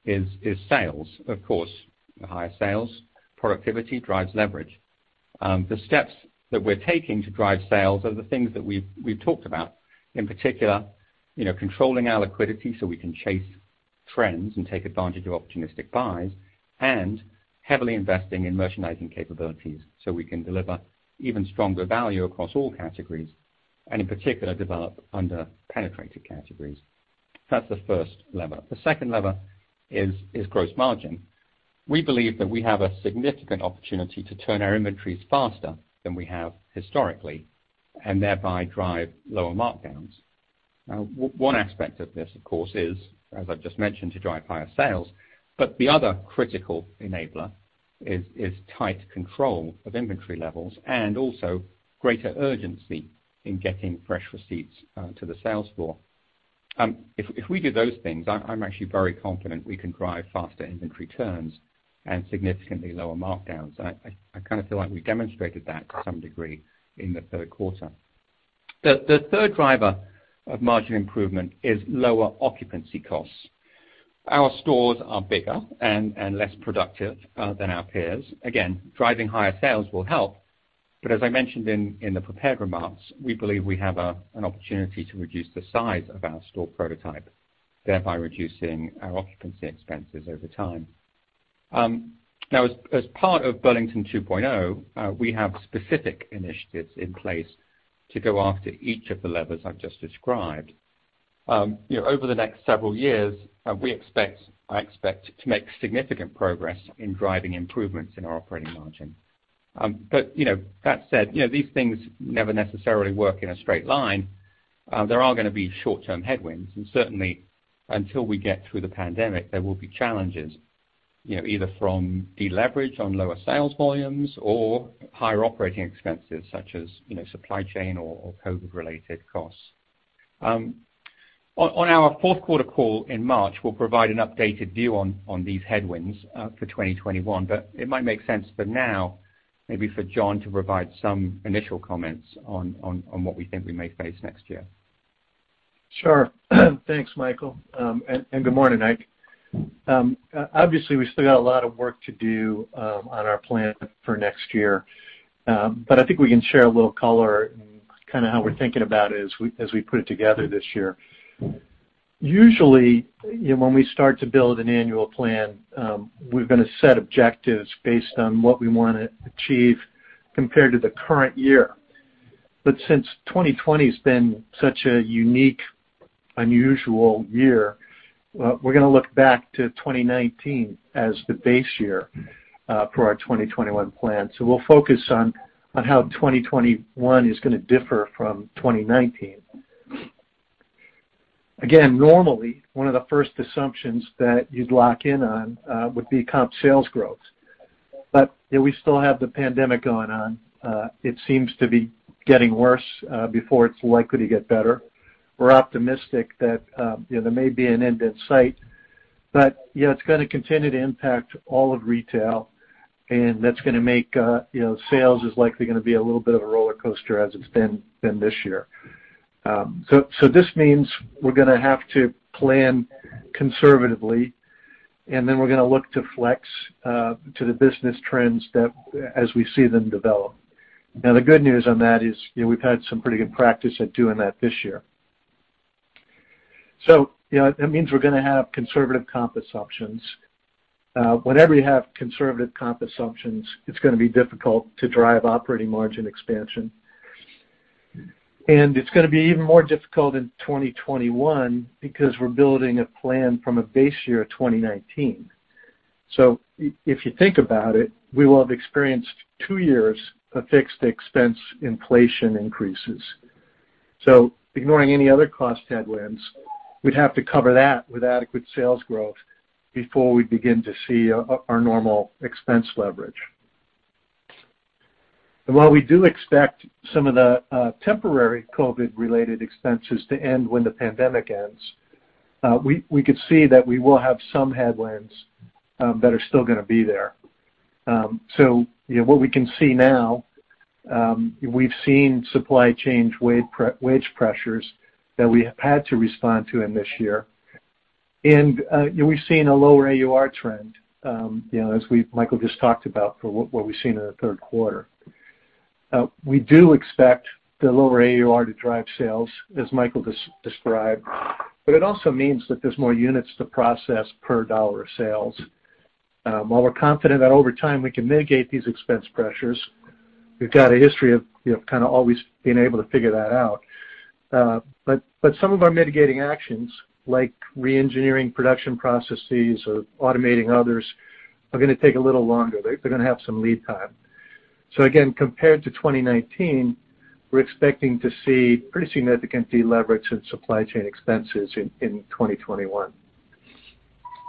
is sales. Of course, the higher sales, productivity drives leverage. The steps that we're taking to drive sales are the things that we've talked about, in particular, controlling our liquidity so we can chase trends and take advantage of opportunistic buys, and heavily investing in merchandising capabilities so we can deliver even stronger value across all categories and, in particular, develop under penetrated categories. That's the first lever. The second lever is gross margin. We believe that we have a significant opportunity to turn our inventories faster than we have historically and thereby drive lower markdowns. Now, one aspect of this, of course, is, as I've just mentioned, to drive higher sales, but the other critical enabler is tight control of inventory levels and also greater urgency in getting fresh receipts to the sales floor. If we do those things, I'm actually very confident we can drive faster inventory turns and significantly lower markdowns. I kind of feel like we demonstrated that to some degree in the third quarter. The third driver of margin improvement is lower occupancy costs. Our stores are bigger and less productive than our peers. Again, driving higher sales will help, but as I mentioned in the prepared remarks, we believe we have an opportunity to reduce the size of our store prototype, thereby reducing our occupancy expenses over time. Now, as part of Burlington 2.0, we have specific initiatives in place to go after each of the levers I've just described. Over the next several years, I expect to make significant progress in driving improvements in our operating margin. But that said, these things never necessarily work in a straight line. There are going to be short-term headwinds, and certainly, until we get through the pandemic, there will be challenges either from deleverage on lower sales volumes or higher operating expenses such as supply chain or COVID-related costs. On our fourth quarter call in March, we'll provide an updated view on these headwinds for 2021, but it might make sense for now, maybe for John to provide some initial comments on what we think we may face next year. Sure. Thanks, Michael. And good morning, Ike. Obviously, we still got a lot of work to do on our plan for next year, but I think we can share a little color in kind of how we're thinking about it as we put it together this year. Usually, when we start to build an annual plan, we've got a set of objectives based on what we want to achieve compared to the current year. But since 2020 has been such a unique, unusual year, we're going to look back to 2019 as the base year for our 2021 plan. So we'll focus on how 2021 is going to differ from 2019. Again, normally, one of the first assumptions that you'd lock in on would be comp sales growth. But we still have the pandemic going on. It seems to be getting worse before it's likely to get better. We're optimistic that there may be an end in sight, but it's going to continue to impact all of retail, and that's going to make sales is likely going to be a little bit of a roller coaster as it's been this year, so this means we're going to have to plan conservatively, and then we're going to look to flex to the business trends as we see them develop. Now, the good news on that is we've had some pretty good practice at doing that this year, so that means we're going to have conservative comp assumptions. Whenever you have conservative comp assumptions, it's going to be difficult to drive operating margin expansion, and it's going to be even more difficult in 2021 because we're building a plan from a base year of 2019. So if you think about it, we will have experienced two years of fixed expense inflation increases. So ignoring any other cost headwinds, we'd have to cover that with adequate sales growth before we begin to see our normal expense leverage. And while we do expect some of the temporary COVID-related expenses to end when the pandemic ends, we could see that we will have some headwinds that are still going to be there. So what we can see now. We've seen supply chain wage pressures that we had to respond to in this year. And we've seen a lower AUR trend, as Michael just talked about, for what we've seen in the third quarter. We do expect the lower AUR to drive sales, as Michael described, but it also means that there's more units to process per dollar of sales. While we're confident that over time we can mitigate these expense pressures, we've got a history of kind of always being able to figure that out. But some of our mitigating actions, like re-engineering production processes or automating others, are going to take a little longer. They're going to have some lead time. So again, compared to 2019, we're expecting to see pretty significant deleverage in supply chain expenses in 2021.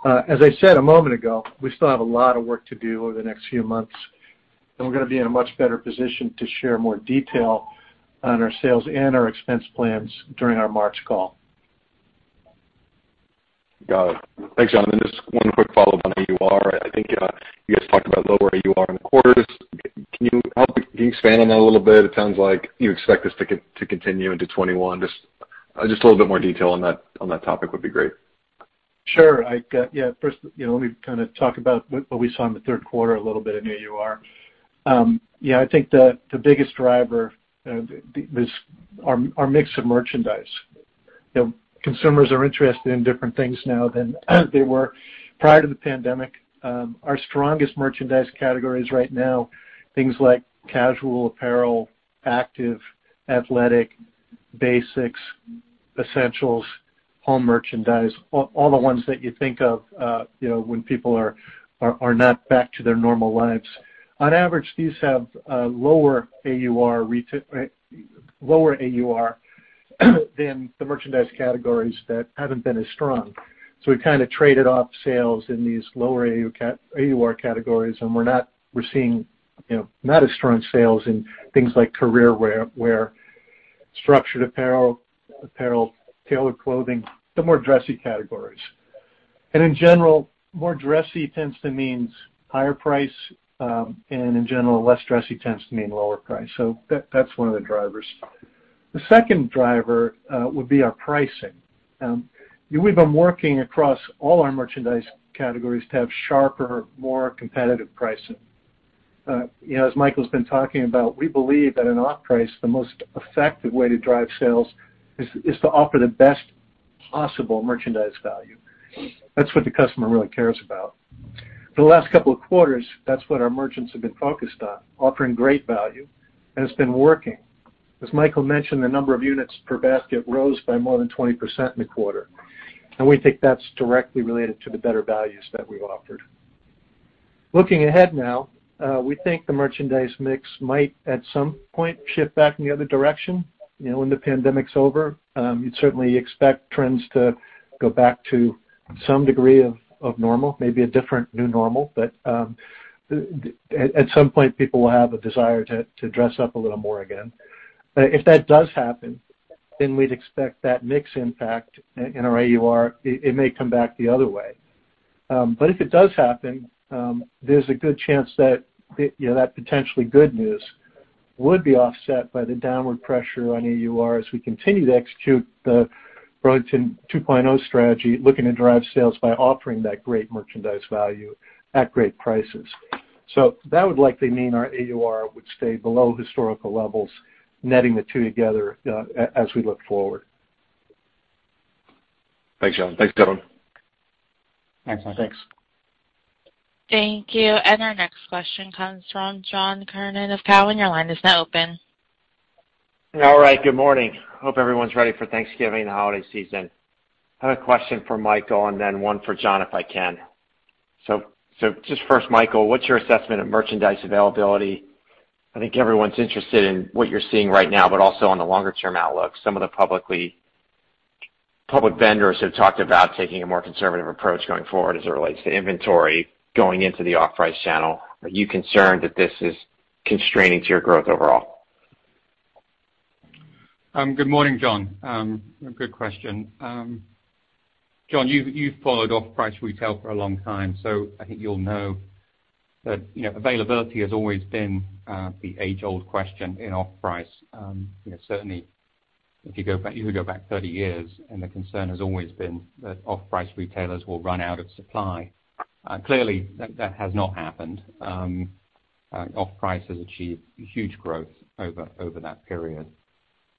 As I said a moment ago, we still have a lot of work to do over the next few months, and we're going to be in a much better position to share more detail on our sales and our expense plans during our March call. Got it. Thanks, John. And just one quick follow-up on AUR. I think you guys talked about lower AUR in the quarters. Can you expand on that a little bit? It sounds like you expect this to continue into 2021. Just a little bit more detail on that topic would be great. Sure. Yeah. First, let me kind of talk about what we saw in the third quarter a little bit in AUR. Yeah, I think the biggest driver is our mix of merchandise. Consumers are interested in different things now than they were prior to the pandemic. Our strongest merchandise categories right now, things like casual, apparel, active, athletic, basics, essentials, home merchandise, all the ones that you think of when people are not back to their normal lives. On average, these have lower AUR than the merchandise categories that haven't been as strong. So we kind of traded off sales in these lower AUR categories, and we're seeing not as strong sales in things like career wear, structured apparel, apparel, tailored clothing, the more dressy categories. And in general, more dressy tends to mean higher price, and in general, less dressy tends to mean lower price. So that's one of the drivers. The second driver would be our pricing. We've been working across all our merchandise categories to have sharper, more competitive pricing. As Michael's been talking about, we believe that an off-price, the most effective way to drive sales is to offer the best possible merchandise value. That's what the customer really cares about. For the last couple of quarters, that's what our merchants have been focused on, offering great value, and it's been working. As Michael mentioned, the number of units per basket rose by more than 20% in the quarter. And we think that's directly related to the better values that we've offered. Looking ahead now, we think the merchandise mix might at some point shift back in the other direction. When the pandemic's over, you'd certainly expect trends to go back to some degree of normal, maybe a different new normal, but at some point, people will have a desire to dress up a little more again. If that does happen, then we'd expect that mix impact in our AUR. It may come back the other way. But if it does happen, there's a good chance that that potentially good news would be offset by the downward pressure on AUR as we continue to execute the Burlington 2.0 strategy, looking to drive sales by offering that great merchandise value at great prices. So that would likely mean our AUR would stay below historical levels, netting the two together as we look forward. Thanks, John. Thanks, Michael. Thanks, Ike. Thanks. Thank you. Our next question comes from John Kernan of Cowen. Your line is now open. All right. Good morning. Hope everyone's ready for Thanksgiving and the holiday season. I have a question for Michael and then one for John, if I can. So just first, Michael, what's your assessment of merchandise availability? I think everyone's interested in what you're seeing right now, but also on the longer-term outlook. Some of the public vendors have talked about taking a more conservative approach going forward as it relates to inventory going into the off-price channel. Are you concerned that this is constraining to your growth overall? Good morning, John. Good question. John, you've followed off-price retail for a long time, so I think you'll know that availability has always been the age-old question in off-price. Certainly, if you go back 30 years, and the concern has always been that off-price retailers will run out of supply. Clearly, that has not happened. Off-price has achieved huge growth over that period.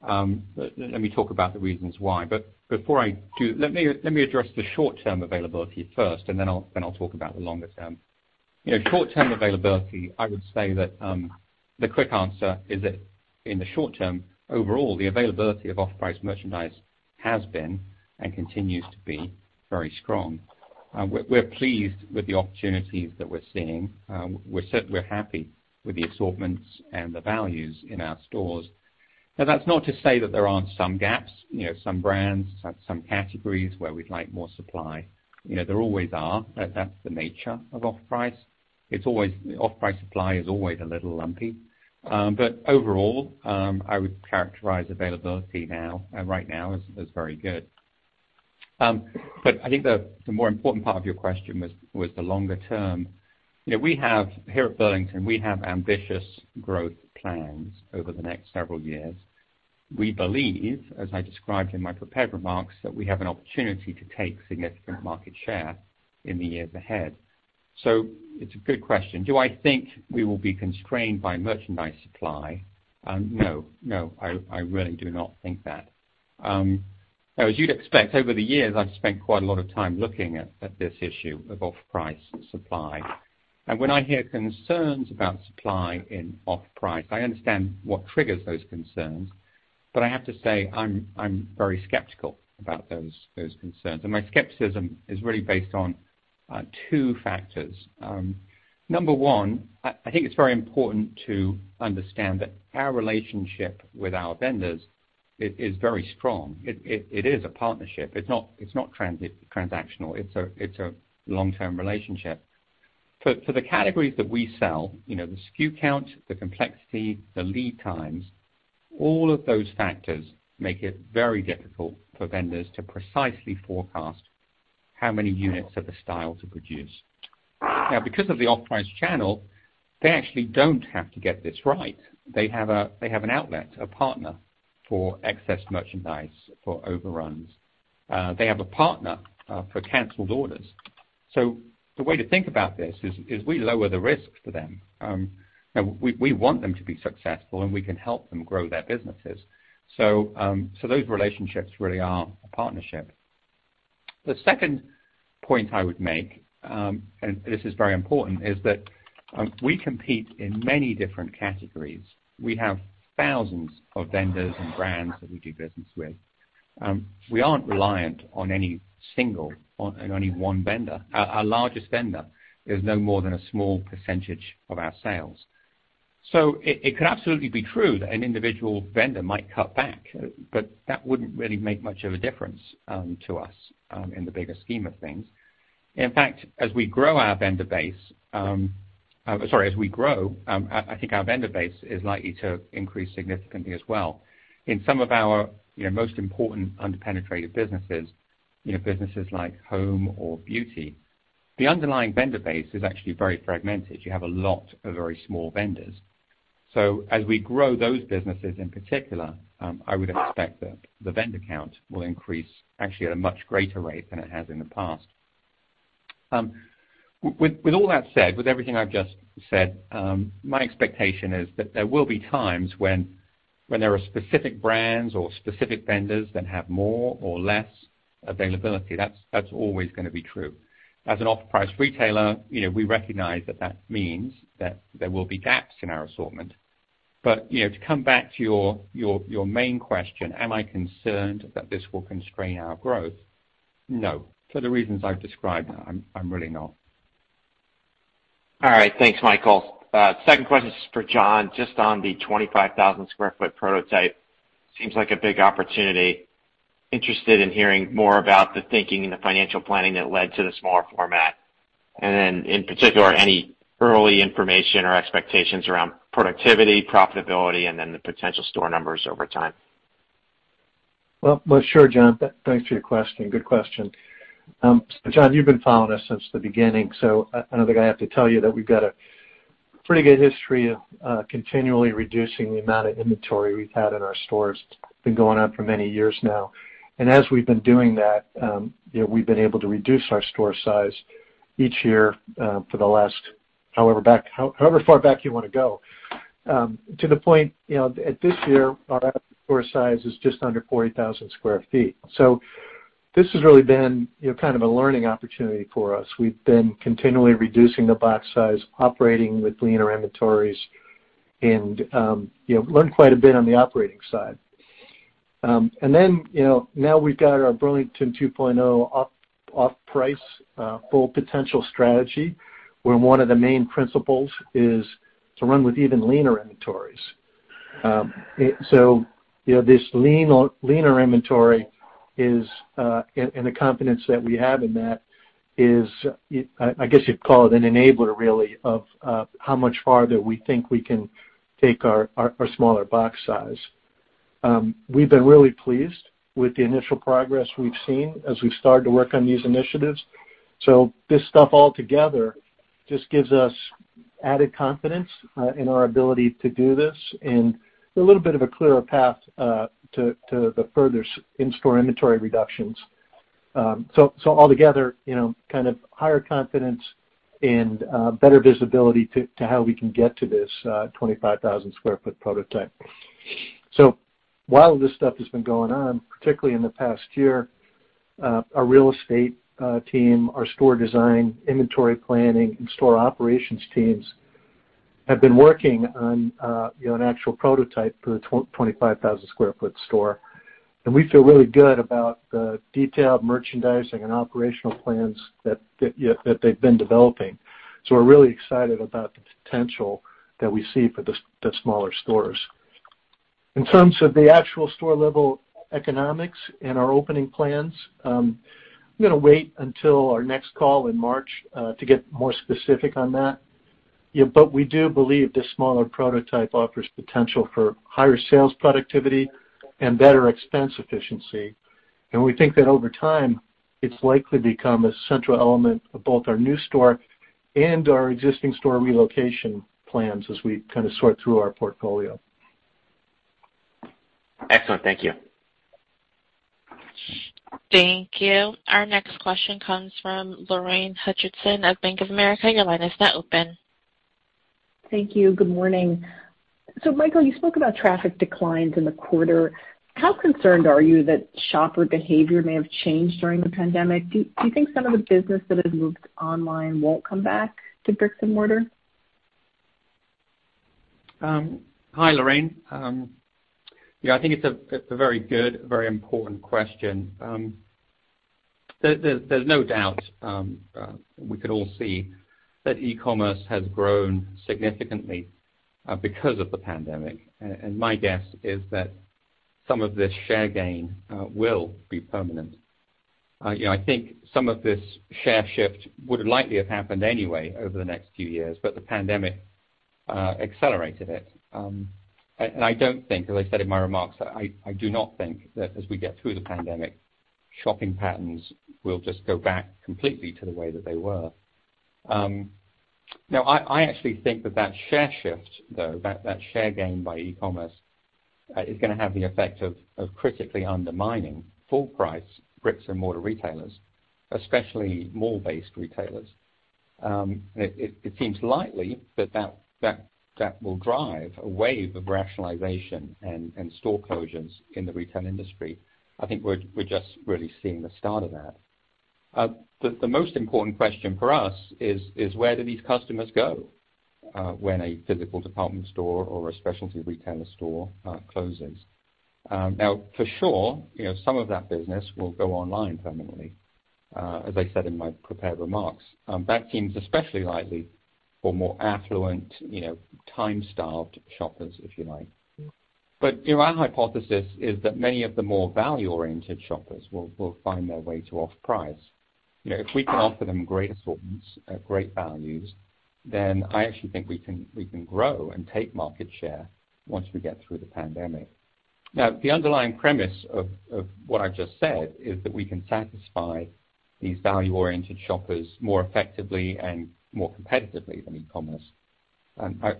Let me talk about the reasons why. But before I do, let me address the short-term availability first, and then I'll talk about the longer-term. Short-term availability, I would say that the quick answer is that in the short term, overall, the availability of off-price merchandise has been and continues to be very strong. We're pleased with the opportunities that we're seeing. We're happy with the assortments and the values in our stores. Now, that's not to say that there aren't some gaps, some brands, some categories where we'd like more supply. There always are. That's the nature of off-price. Off-price supply is always a little lumpy. But overall, I would characterize availability right now as very good. But I think the more important part of your question was the longer term. Here at Burlington, we have ambitious growth plans over the next several years. We believe, as I described in my prepared remarks, that we have an opportunity to take significant market share in the years ahead. So it's a good question. Do I think we will be constrained by merchandise supply? No. No, I really do not think that. Now, as you'd expect, over the years, I've spent quite a lot of time looking at this issue of off-price supply. And when I hear concerns about supply in off-price, I understand what triggers those concerns, but I have to say I'm very skeptical about those concerns. And my skepticism is really based on two factors. Number one, I think it's very important to understand that our relationship with our vendors is very strong. It is a partnership. It's not transactional. It's a long-term relationship. For the categories that we sell, the SKU count, the complexity, the lead times, all of those factors make it very difficult for vendors to precisely forecast how many units of the style to produce. Now, because of the off-price channel, they actually don't have to get this right. They have an outlet, a partner for excess merchandise, for overruns. They have a partner for canceled orders. So the way to think about this is we lower the risk for them. We want them to be successful, and we can help them grow their businesses. So those relationships really are a partnership. The second point I would make, and this is very important, is that we compete in many different categories. We have thousands of vendors and brands that we do business with. We aren't reliant on any single or on any one vendor. Our largest vendor is no more than a small percentage of our sales. So it could absolutely be true that an individual vendor might cut back, but that wouldn't really make much of a difference to us in the bigger scheme of things. In fact, as we grow our vendor base sorry, as we grow, I think our vendor base is likely to increase significantly as well. In some of our most important under-penetrated businesses, businesses like home or beauty, the underlying vendor base is actually very fragmented. You have a lot of very small vendors. So as we grow those businesses in particular, I would expect that the vendor count will increase actually at a much greater rate than it has in the past. With all that said, with everything I've just said, my expectation is that there will be times when there are specific brands or specific vendors that have more or less availability. That's always going to be true. As an off-price retailer, we recognize that that means that there will be gaps in our assortment. But to come back to your main question, am I concerned that this will constrain our growth? No. For the reasons I've described, I'm really not. All right. Thanks, Michael. Second question is for John, just on the 25,000 sq ft prototype. Seems like a big opportunity. Interested in hearing more about the thinking and the financial planning that led to the smaller format. And then in particular, any early information or expectations around productivity, profitability, and then the potential store numbers over time. Sure, John. Thanks for your question. Good question. John, you've been following us since the beginning, so I don't think I have to tell you that we've got a pretty good history of continually reducing the amount of inventory we've had in our stores. It's been going on for many years now, and as we've been doing that, we've been able to reduce our store size each year for the last however far back you want to go. To the point, at this year, our store size is just under 40,000 sq ft, so this has really been kind of a learning opportunity for us. We've been continually reducing the box size, operating with leaner inventories, and learned quite a bit on the operating side, and then now we've got our Burlington 2.0 Off-Price Full Potential strategy, where one of the main principles is to run with even leaner inventories. So this leaner inventory is, and the confidence that we have in that is, I guess you'd call it an enabler, really, of how much farther we think we can take our smaller box size. We've been really pleased with the initial progress we've seen as we've started to work on these initiatives. So this stuff all together just gives us added confidence in our ability to do this and a little bit of a clearer path to the further in-store inventory reductions. So altogether, kind of higher confidence and better visibility to how we can get to this 25,000 sq ft prototype. So while this stuff has been going on, particularly in the past year, our real estate team, our store design, inventory planning, and store operations teams have been working on an actual prototype for the 25,000 sq ft store. We feel really good about the detailed merchandising and operational plans that they've been developing. We're really excited about the potential that we see for the smaller stores. In terms of the actual store-level economics and our opening plans, I'm going to wait until our next call in March to get more specific on that. We do believe this smaller prototype offers potential for higher sales productivity and better expense efficiency. We think that over time, it's likely to become a central element of both our new store and our existing store relocation plans as we kind of sort through our portfolio. Excellent. Thank you. Thank you. Our next question comes from Lorraine Hutchinson of Bank of America. Your line is now open. Thank you. Good morning. Michael, you spoke about traffic declines in the quarter. How concerned are you that shopper behavior may have changed during the pandemic? Do you think some of the business that has moved online won't come back to bricks and mortar? Hi, Lorraine. Yeah, I think it's a very good, very important question. There's no doubt we could all see that e-commerce has grown significantly because of the pandemic. And my guess is that some of this share gain will be permanent. I think some of this share shift would likely have happened anyway over the next few years, but the pandemic accelerated it. And I don't think, as I said in my remarks, I do not think that as we get through the pandemic, shopping patterns will just go back completely to the way that they were. Now, I actually think that that share shift, though, that share gain by e-commerce is going to have the effect of critically undermining full-price bricks and mortar retailers, especially mall-based retailers. It seems likely that that will drive a wave of rationalization and store closures in the retail industry. I think we're just really seeing the start of that. The most important question for us is where do these customers go when a physical department store or a specialty retailer store closes? Now, for sure, some of that business will go online permanently, as I said in my prepared remarks. That seems especially likely for more affluent, time-starved shoppers, if you like. But our hypothesis is that many of the more value-oriented shoppers will find their way to off-price. If we can offer them great assortments, great values, then I actually think we can grow and take market share once we get through the pandemic. Now, the underlying premise of what I've just said is that we can satisfy these value-oriented shoppers more effectively and more competitively than e-commerce.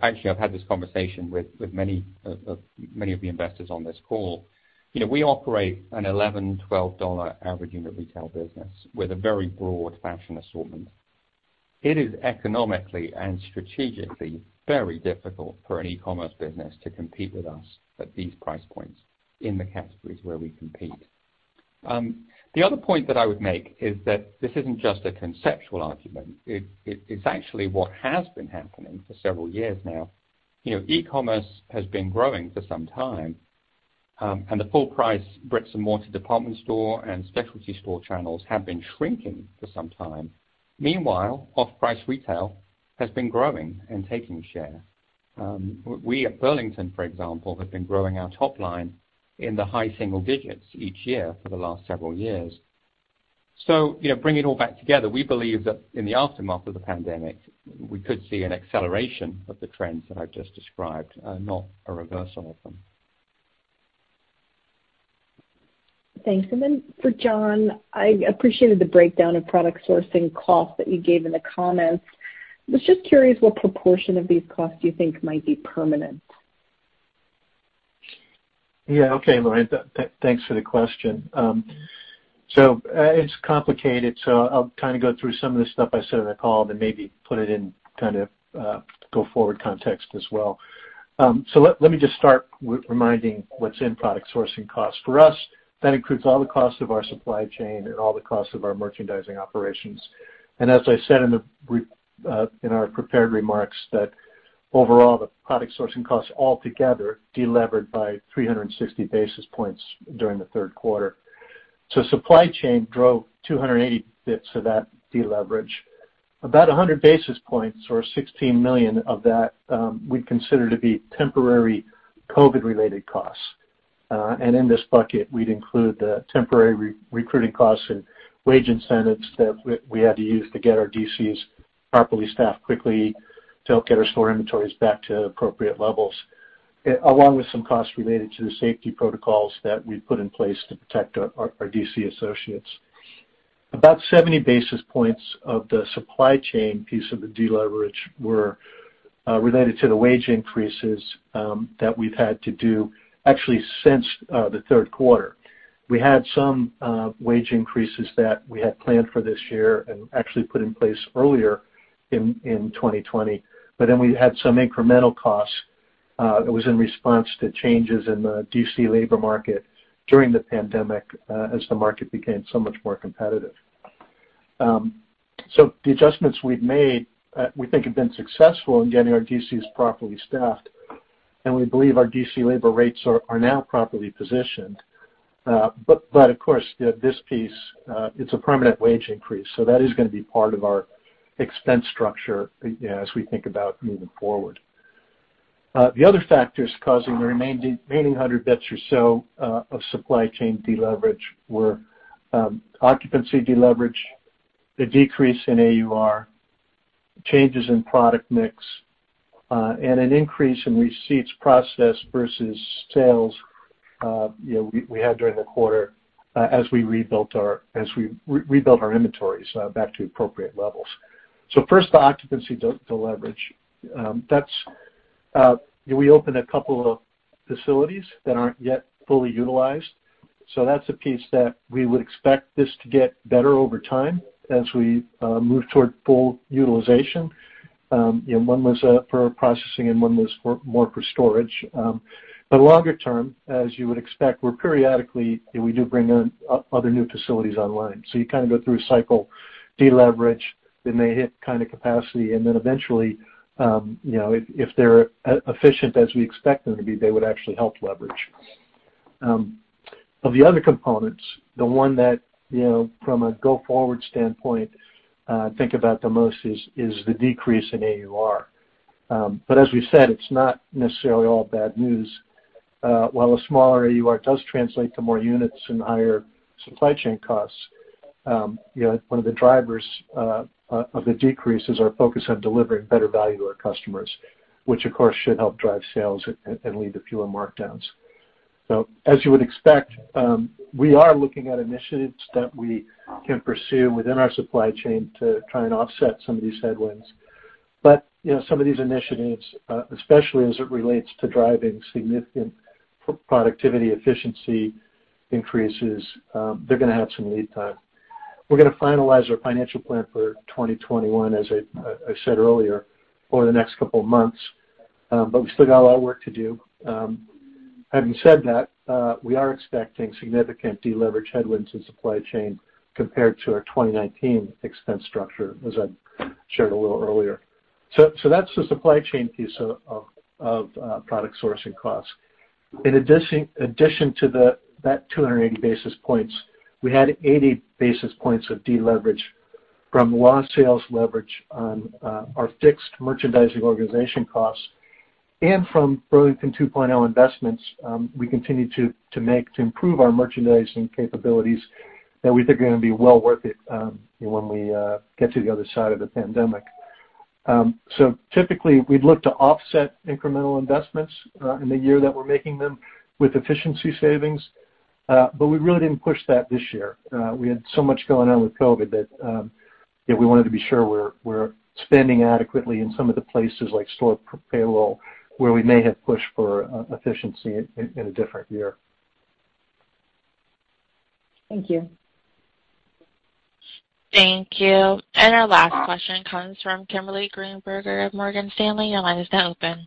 Actually, I've had this conversation with many of the investors on this call. We operate an $11-$12 average unit retail business with a very broad fashion assortment. It is economically and strategically very difficult for an e-commerce business to compete with us at these price points in the categories where we compete. The other point that I would make is that this isn't just a conceptual argument. It's actually what has been happening for several years now. E-commerce has been growing for some time, and the full-price bricks and mortar department store and specialty store channels have been shrinking for some time. Meanwhile, off-price retail has been growing and taking share. We at Burlington, for example, have been growing our top line in the high single digits each year for the last several years. So bringing it all back together, we believe that in the aftermath of the pandemic, we could see an acceleration of the trends that I've just described, not a reversal of them. Thanks. And then for John, I appreciated the breakdown of product sourcing costs that you gave in the comments. I was just curious what proportion of these costs you think might be permanent. Yeah. Okay, Lorraine. Thanks for the question. So it's complicated. So I'll kind of go through some of the stuff I said in the call and then maybe put it in kind of go forward context as well. So let me just start reminding what's in product sourcing costs. For us, that includes all the costs of our supply chain and all the costs of our merchandising operations. And as I said in our prepared remarks, that overall, the product sourcing costs altogether deleveraged by 360 basis points during the third quarter. So supply chain drove 280 basis points of that deleverage. About 100 basis points or $16 million of that we'd consider to be temporary COVID-related costs. In this bucket, we'd include the temporary recruiting costs and wage incentives that we had to use to get our DCs properly staffed quickly to help get our store inventories back to appropriate levels, along with some costs related to the safety protocols that we've put in place to protect our DC associates. About 70 basis points of the supply chain piece of the deleverage were related to the wage increases that we've had to do actually since the third quarter. We had some wage increases that we had planned for this year and actually put in place earlier in 2020. Then we had some incremental costs. It was in response to changes in the DC labor market during the pandemic as the market became so much more competitive. The adjustments we've made, we think, have been successful in getting our DCs properly staffed. We believe our DC labor rates are now properly positioned. Of course, this piece, it's a permanent wage increase. That is going to be part of our expense structure as we think about moving forward. The other factors causing the remaining 100 basis points or so of supply chain deleverage were occupancy deleverage, a decrease in AUR, changes in product mix, and an increase in receipts process versus sales we had during the quarter as we rebuilt our inventories back to appropriate levels. First, the occupancy deleverage. We opened a couple of facilities that aren't yet fully utilized. That's a piece that we would expect this to get better over time as we move toward full utilization. One was for processing and one was more for storage. Longer term, as you would expect, we periodically bring other new facilities online. So you kind of go through a cycle, deleverage, then they hit kind of capacity. And then eventually, if they're efficient as we expect them to be, they would actually help leverage. Of the other components, the one that from a go forward standpoint, I think about the most is the decrease in AUR. But as we said, it's not necessarily all bad news. While a smaller AUR does translate to more units and higher supply chain costs, one of the drivers of the decrease is our focus on delivering better value to our customers, which, of course, should help drive sales and lead to fewer markdowns. So as you would expect, we are looking at initiatives that we can pursue within our supply chain to try and offset some of these headwinds. But some of these initiatives, especially as it relates to driving significant productivity, efficiency increases, they're going to have some lead time. We're going to finalize our financial plan for 2021, as I said earlier, over the next couple of months. But we still got a lot of work to do. Having said that, we are expecting significant deleverage headwinds in supply chain compared to our 2019 expense structure, as I shared a little earlier. So that's the supply chain piece of product sourcing costs. In addition to that 280 basis points, we had 80 basis points of deleverage from lost sales leverage on our fixed merchandising organization costs. And from Burlington 2.0 investments, we continue to make to improve our merchandising capabilities that we think are going to be well worth it when we get to the other side of the pandemic. So typically, we'd look to offset incremental investments in the year that we're making them with efficiency savings. But we really didn't push that this year. We had so much going on with COVID that we wanted to be sure we're spending adequately in some of the places like store payroll, where we may have pushed for efficiency in a different year. Thank you. Thank you. And our last question comes from Kimberly Greenberger of Morgan Stanley. Your line is now open.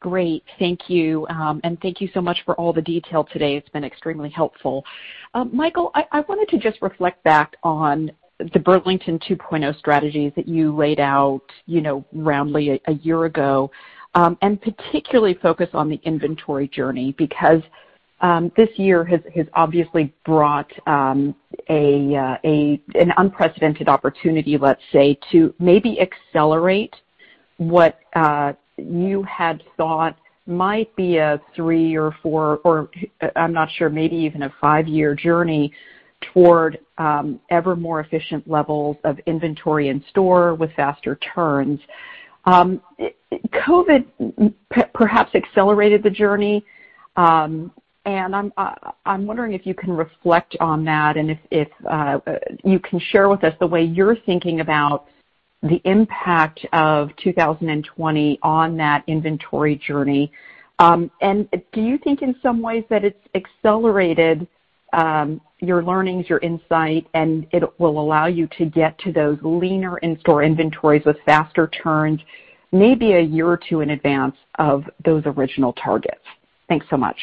Great. Thank you. And thank you so much for all the detail today. It's been extremely helpful. Michael, I wanted to just reflect back on the Burlington 2.0 strategies that you laid out roughly a year ago and particularly focus on the inventory journey because this year has obviously brought an unprecedented opportunity, let's say, to maybe accelerate what you had thought might be a three or four or I'm not sure, maybe even a five-year journey toward ever more efficient levels of inventory in store with faster turns. COVID perhaps accelerated the journey. I'm wondering if you can reflect on that and if you can share with us the way you're thinking about the impact of 2020 on that inventory journey. Do you think in some ways that it's accelerated your learnings, your insight, and it will allow you to get to those leaner in-store inventories with faster turns maybe a year or two in advance of those original targets? Thanks so much.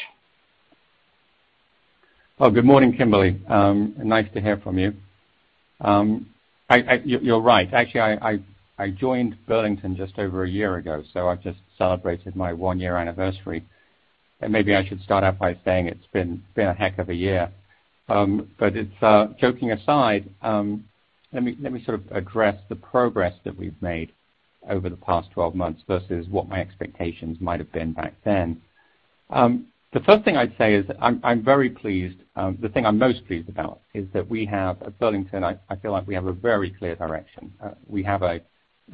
Good morning, Kimberly. Nice to hear from you. You're right. Actually, I joined Burlington just over a year ago, so I've just celebrated my one-year anniversary. Maybe I should start out by saying it's been a heck of a year. Joking aside, let me sort of address the progress that we've made over the past 12 months versus what my expectations might have been back then. The first thing I'd say is I'm very pleased. The thing I'm most pleased about is that we have at Burlington, I feel like we have a very clear direction. We have what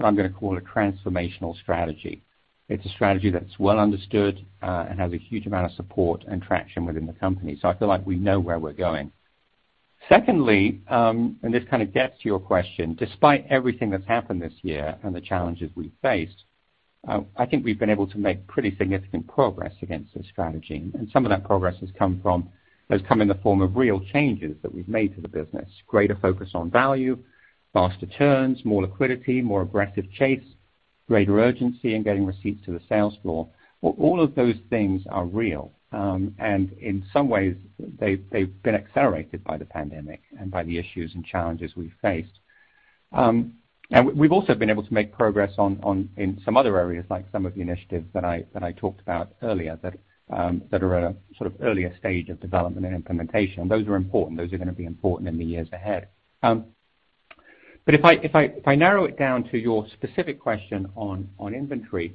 I'm going to call a transformational strategy. It's a strategy that's well understood and has a huge amount of support and traction within the company. I feel like we know where we're going. Secondly, and this kind of gets to your question, despite everything that's happened this year and the challenges we've faced, I think we've been able to make pretty significant progress against this strategy. And some of that progress has come in the form of real changes that we've made to the business: greater focus on value, faster turns, more liquidity, more aggressive chase, greater urgency in getting receipts to the sales floor. All of those things are real. And in some ways, they've been accelerated by the pandemic and by the issues and challenges we've faced. And we've also been able to make progress in some other areas, like some of the initiatives that I talked about earlier, that are at a sort of earlier stage of development and implementation. Those are important. Those are going to be important in the years ahead. But if I narrow it down to your specific question on inventory,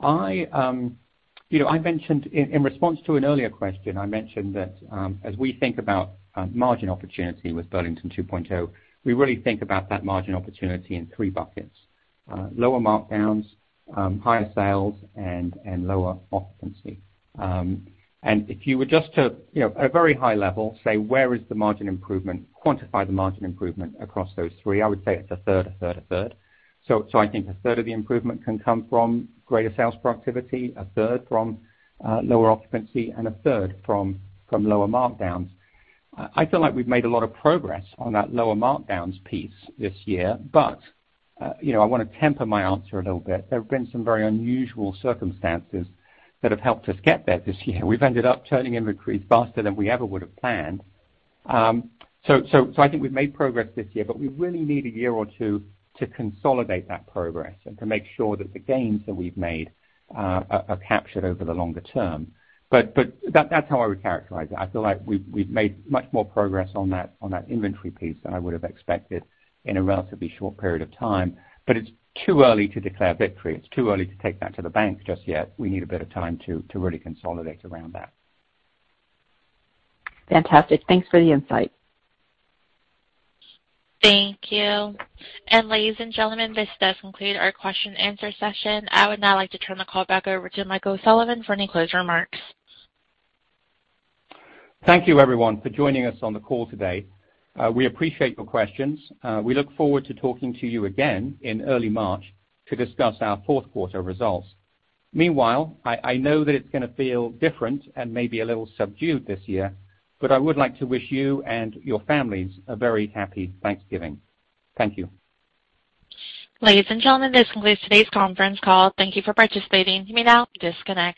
I mentioned in response to an earlier question, I mentioned that as we think about margin opportunity with Burlington 2.0, we really think about that margin opportunity in three buckets: lower markdowns, higher sales, and lower occupancy. And if you were just to, at a very high level, say, "Where is the margin improvement?" quantify the margin improvement across those three, I would say it's a third, a third, a third. So I think a third of the improvement can come from greater sales productivity, a third from lower occupancy, and a third from lower markdowns. I feel like we've made a lot of progress on that lower markdowns piece this year. But I want to temper my answer a little bit. There have been some very unusual circumstances that have helped us get there this year. We've ended up turning inventories faster than we ever would have planned. So I think we've made progress this year, but we really need a year or two to consolidate that progress and to make sure that the gains that we've made are captured over the longer term. But that's how I would characterize it. I feel like we've made much more progress on that inventory piece than I would have expected in a relatively short period of time. But it's too early to declare victory. It's too early to take that to the bank just yet. We need a bit of time to really consolidate around that. Fantastic. Thanks for the insight. Thank you. And, ladies and gentlemen, this does conclude our question-and-answer session. I would now like to turn the call back over to Michael O'Sullivan for any closing remarks. Thank you, everyone, for joining us on the call today. We appreciate your questions. We look forward to talking to you again in early March to discuss our fourth quarter results. Meanwhile, I know that it's going to feel different and maybe a little subdued this year, but I would like to wish you and your families a very happy Thanksgiving. Thank you. Ladies and gentlemen, this concludes today's conference call. Thank you for participating. You may now disconnect.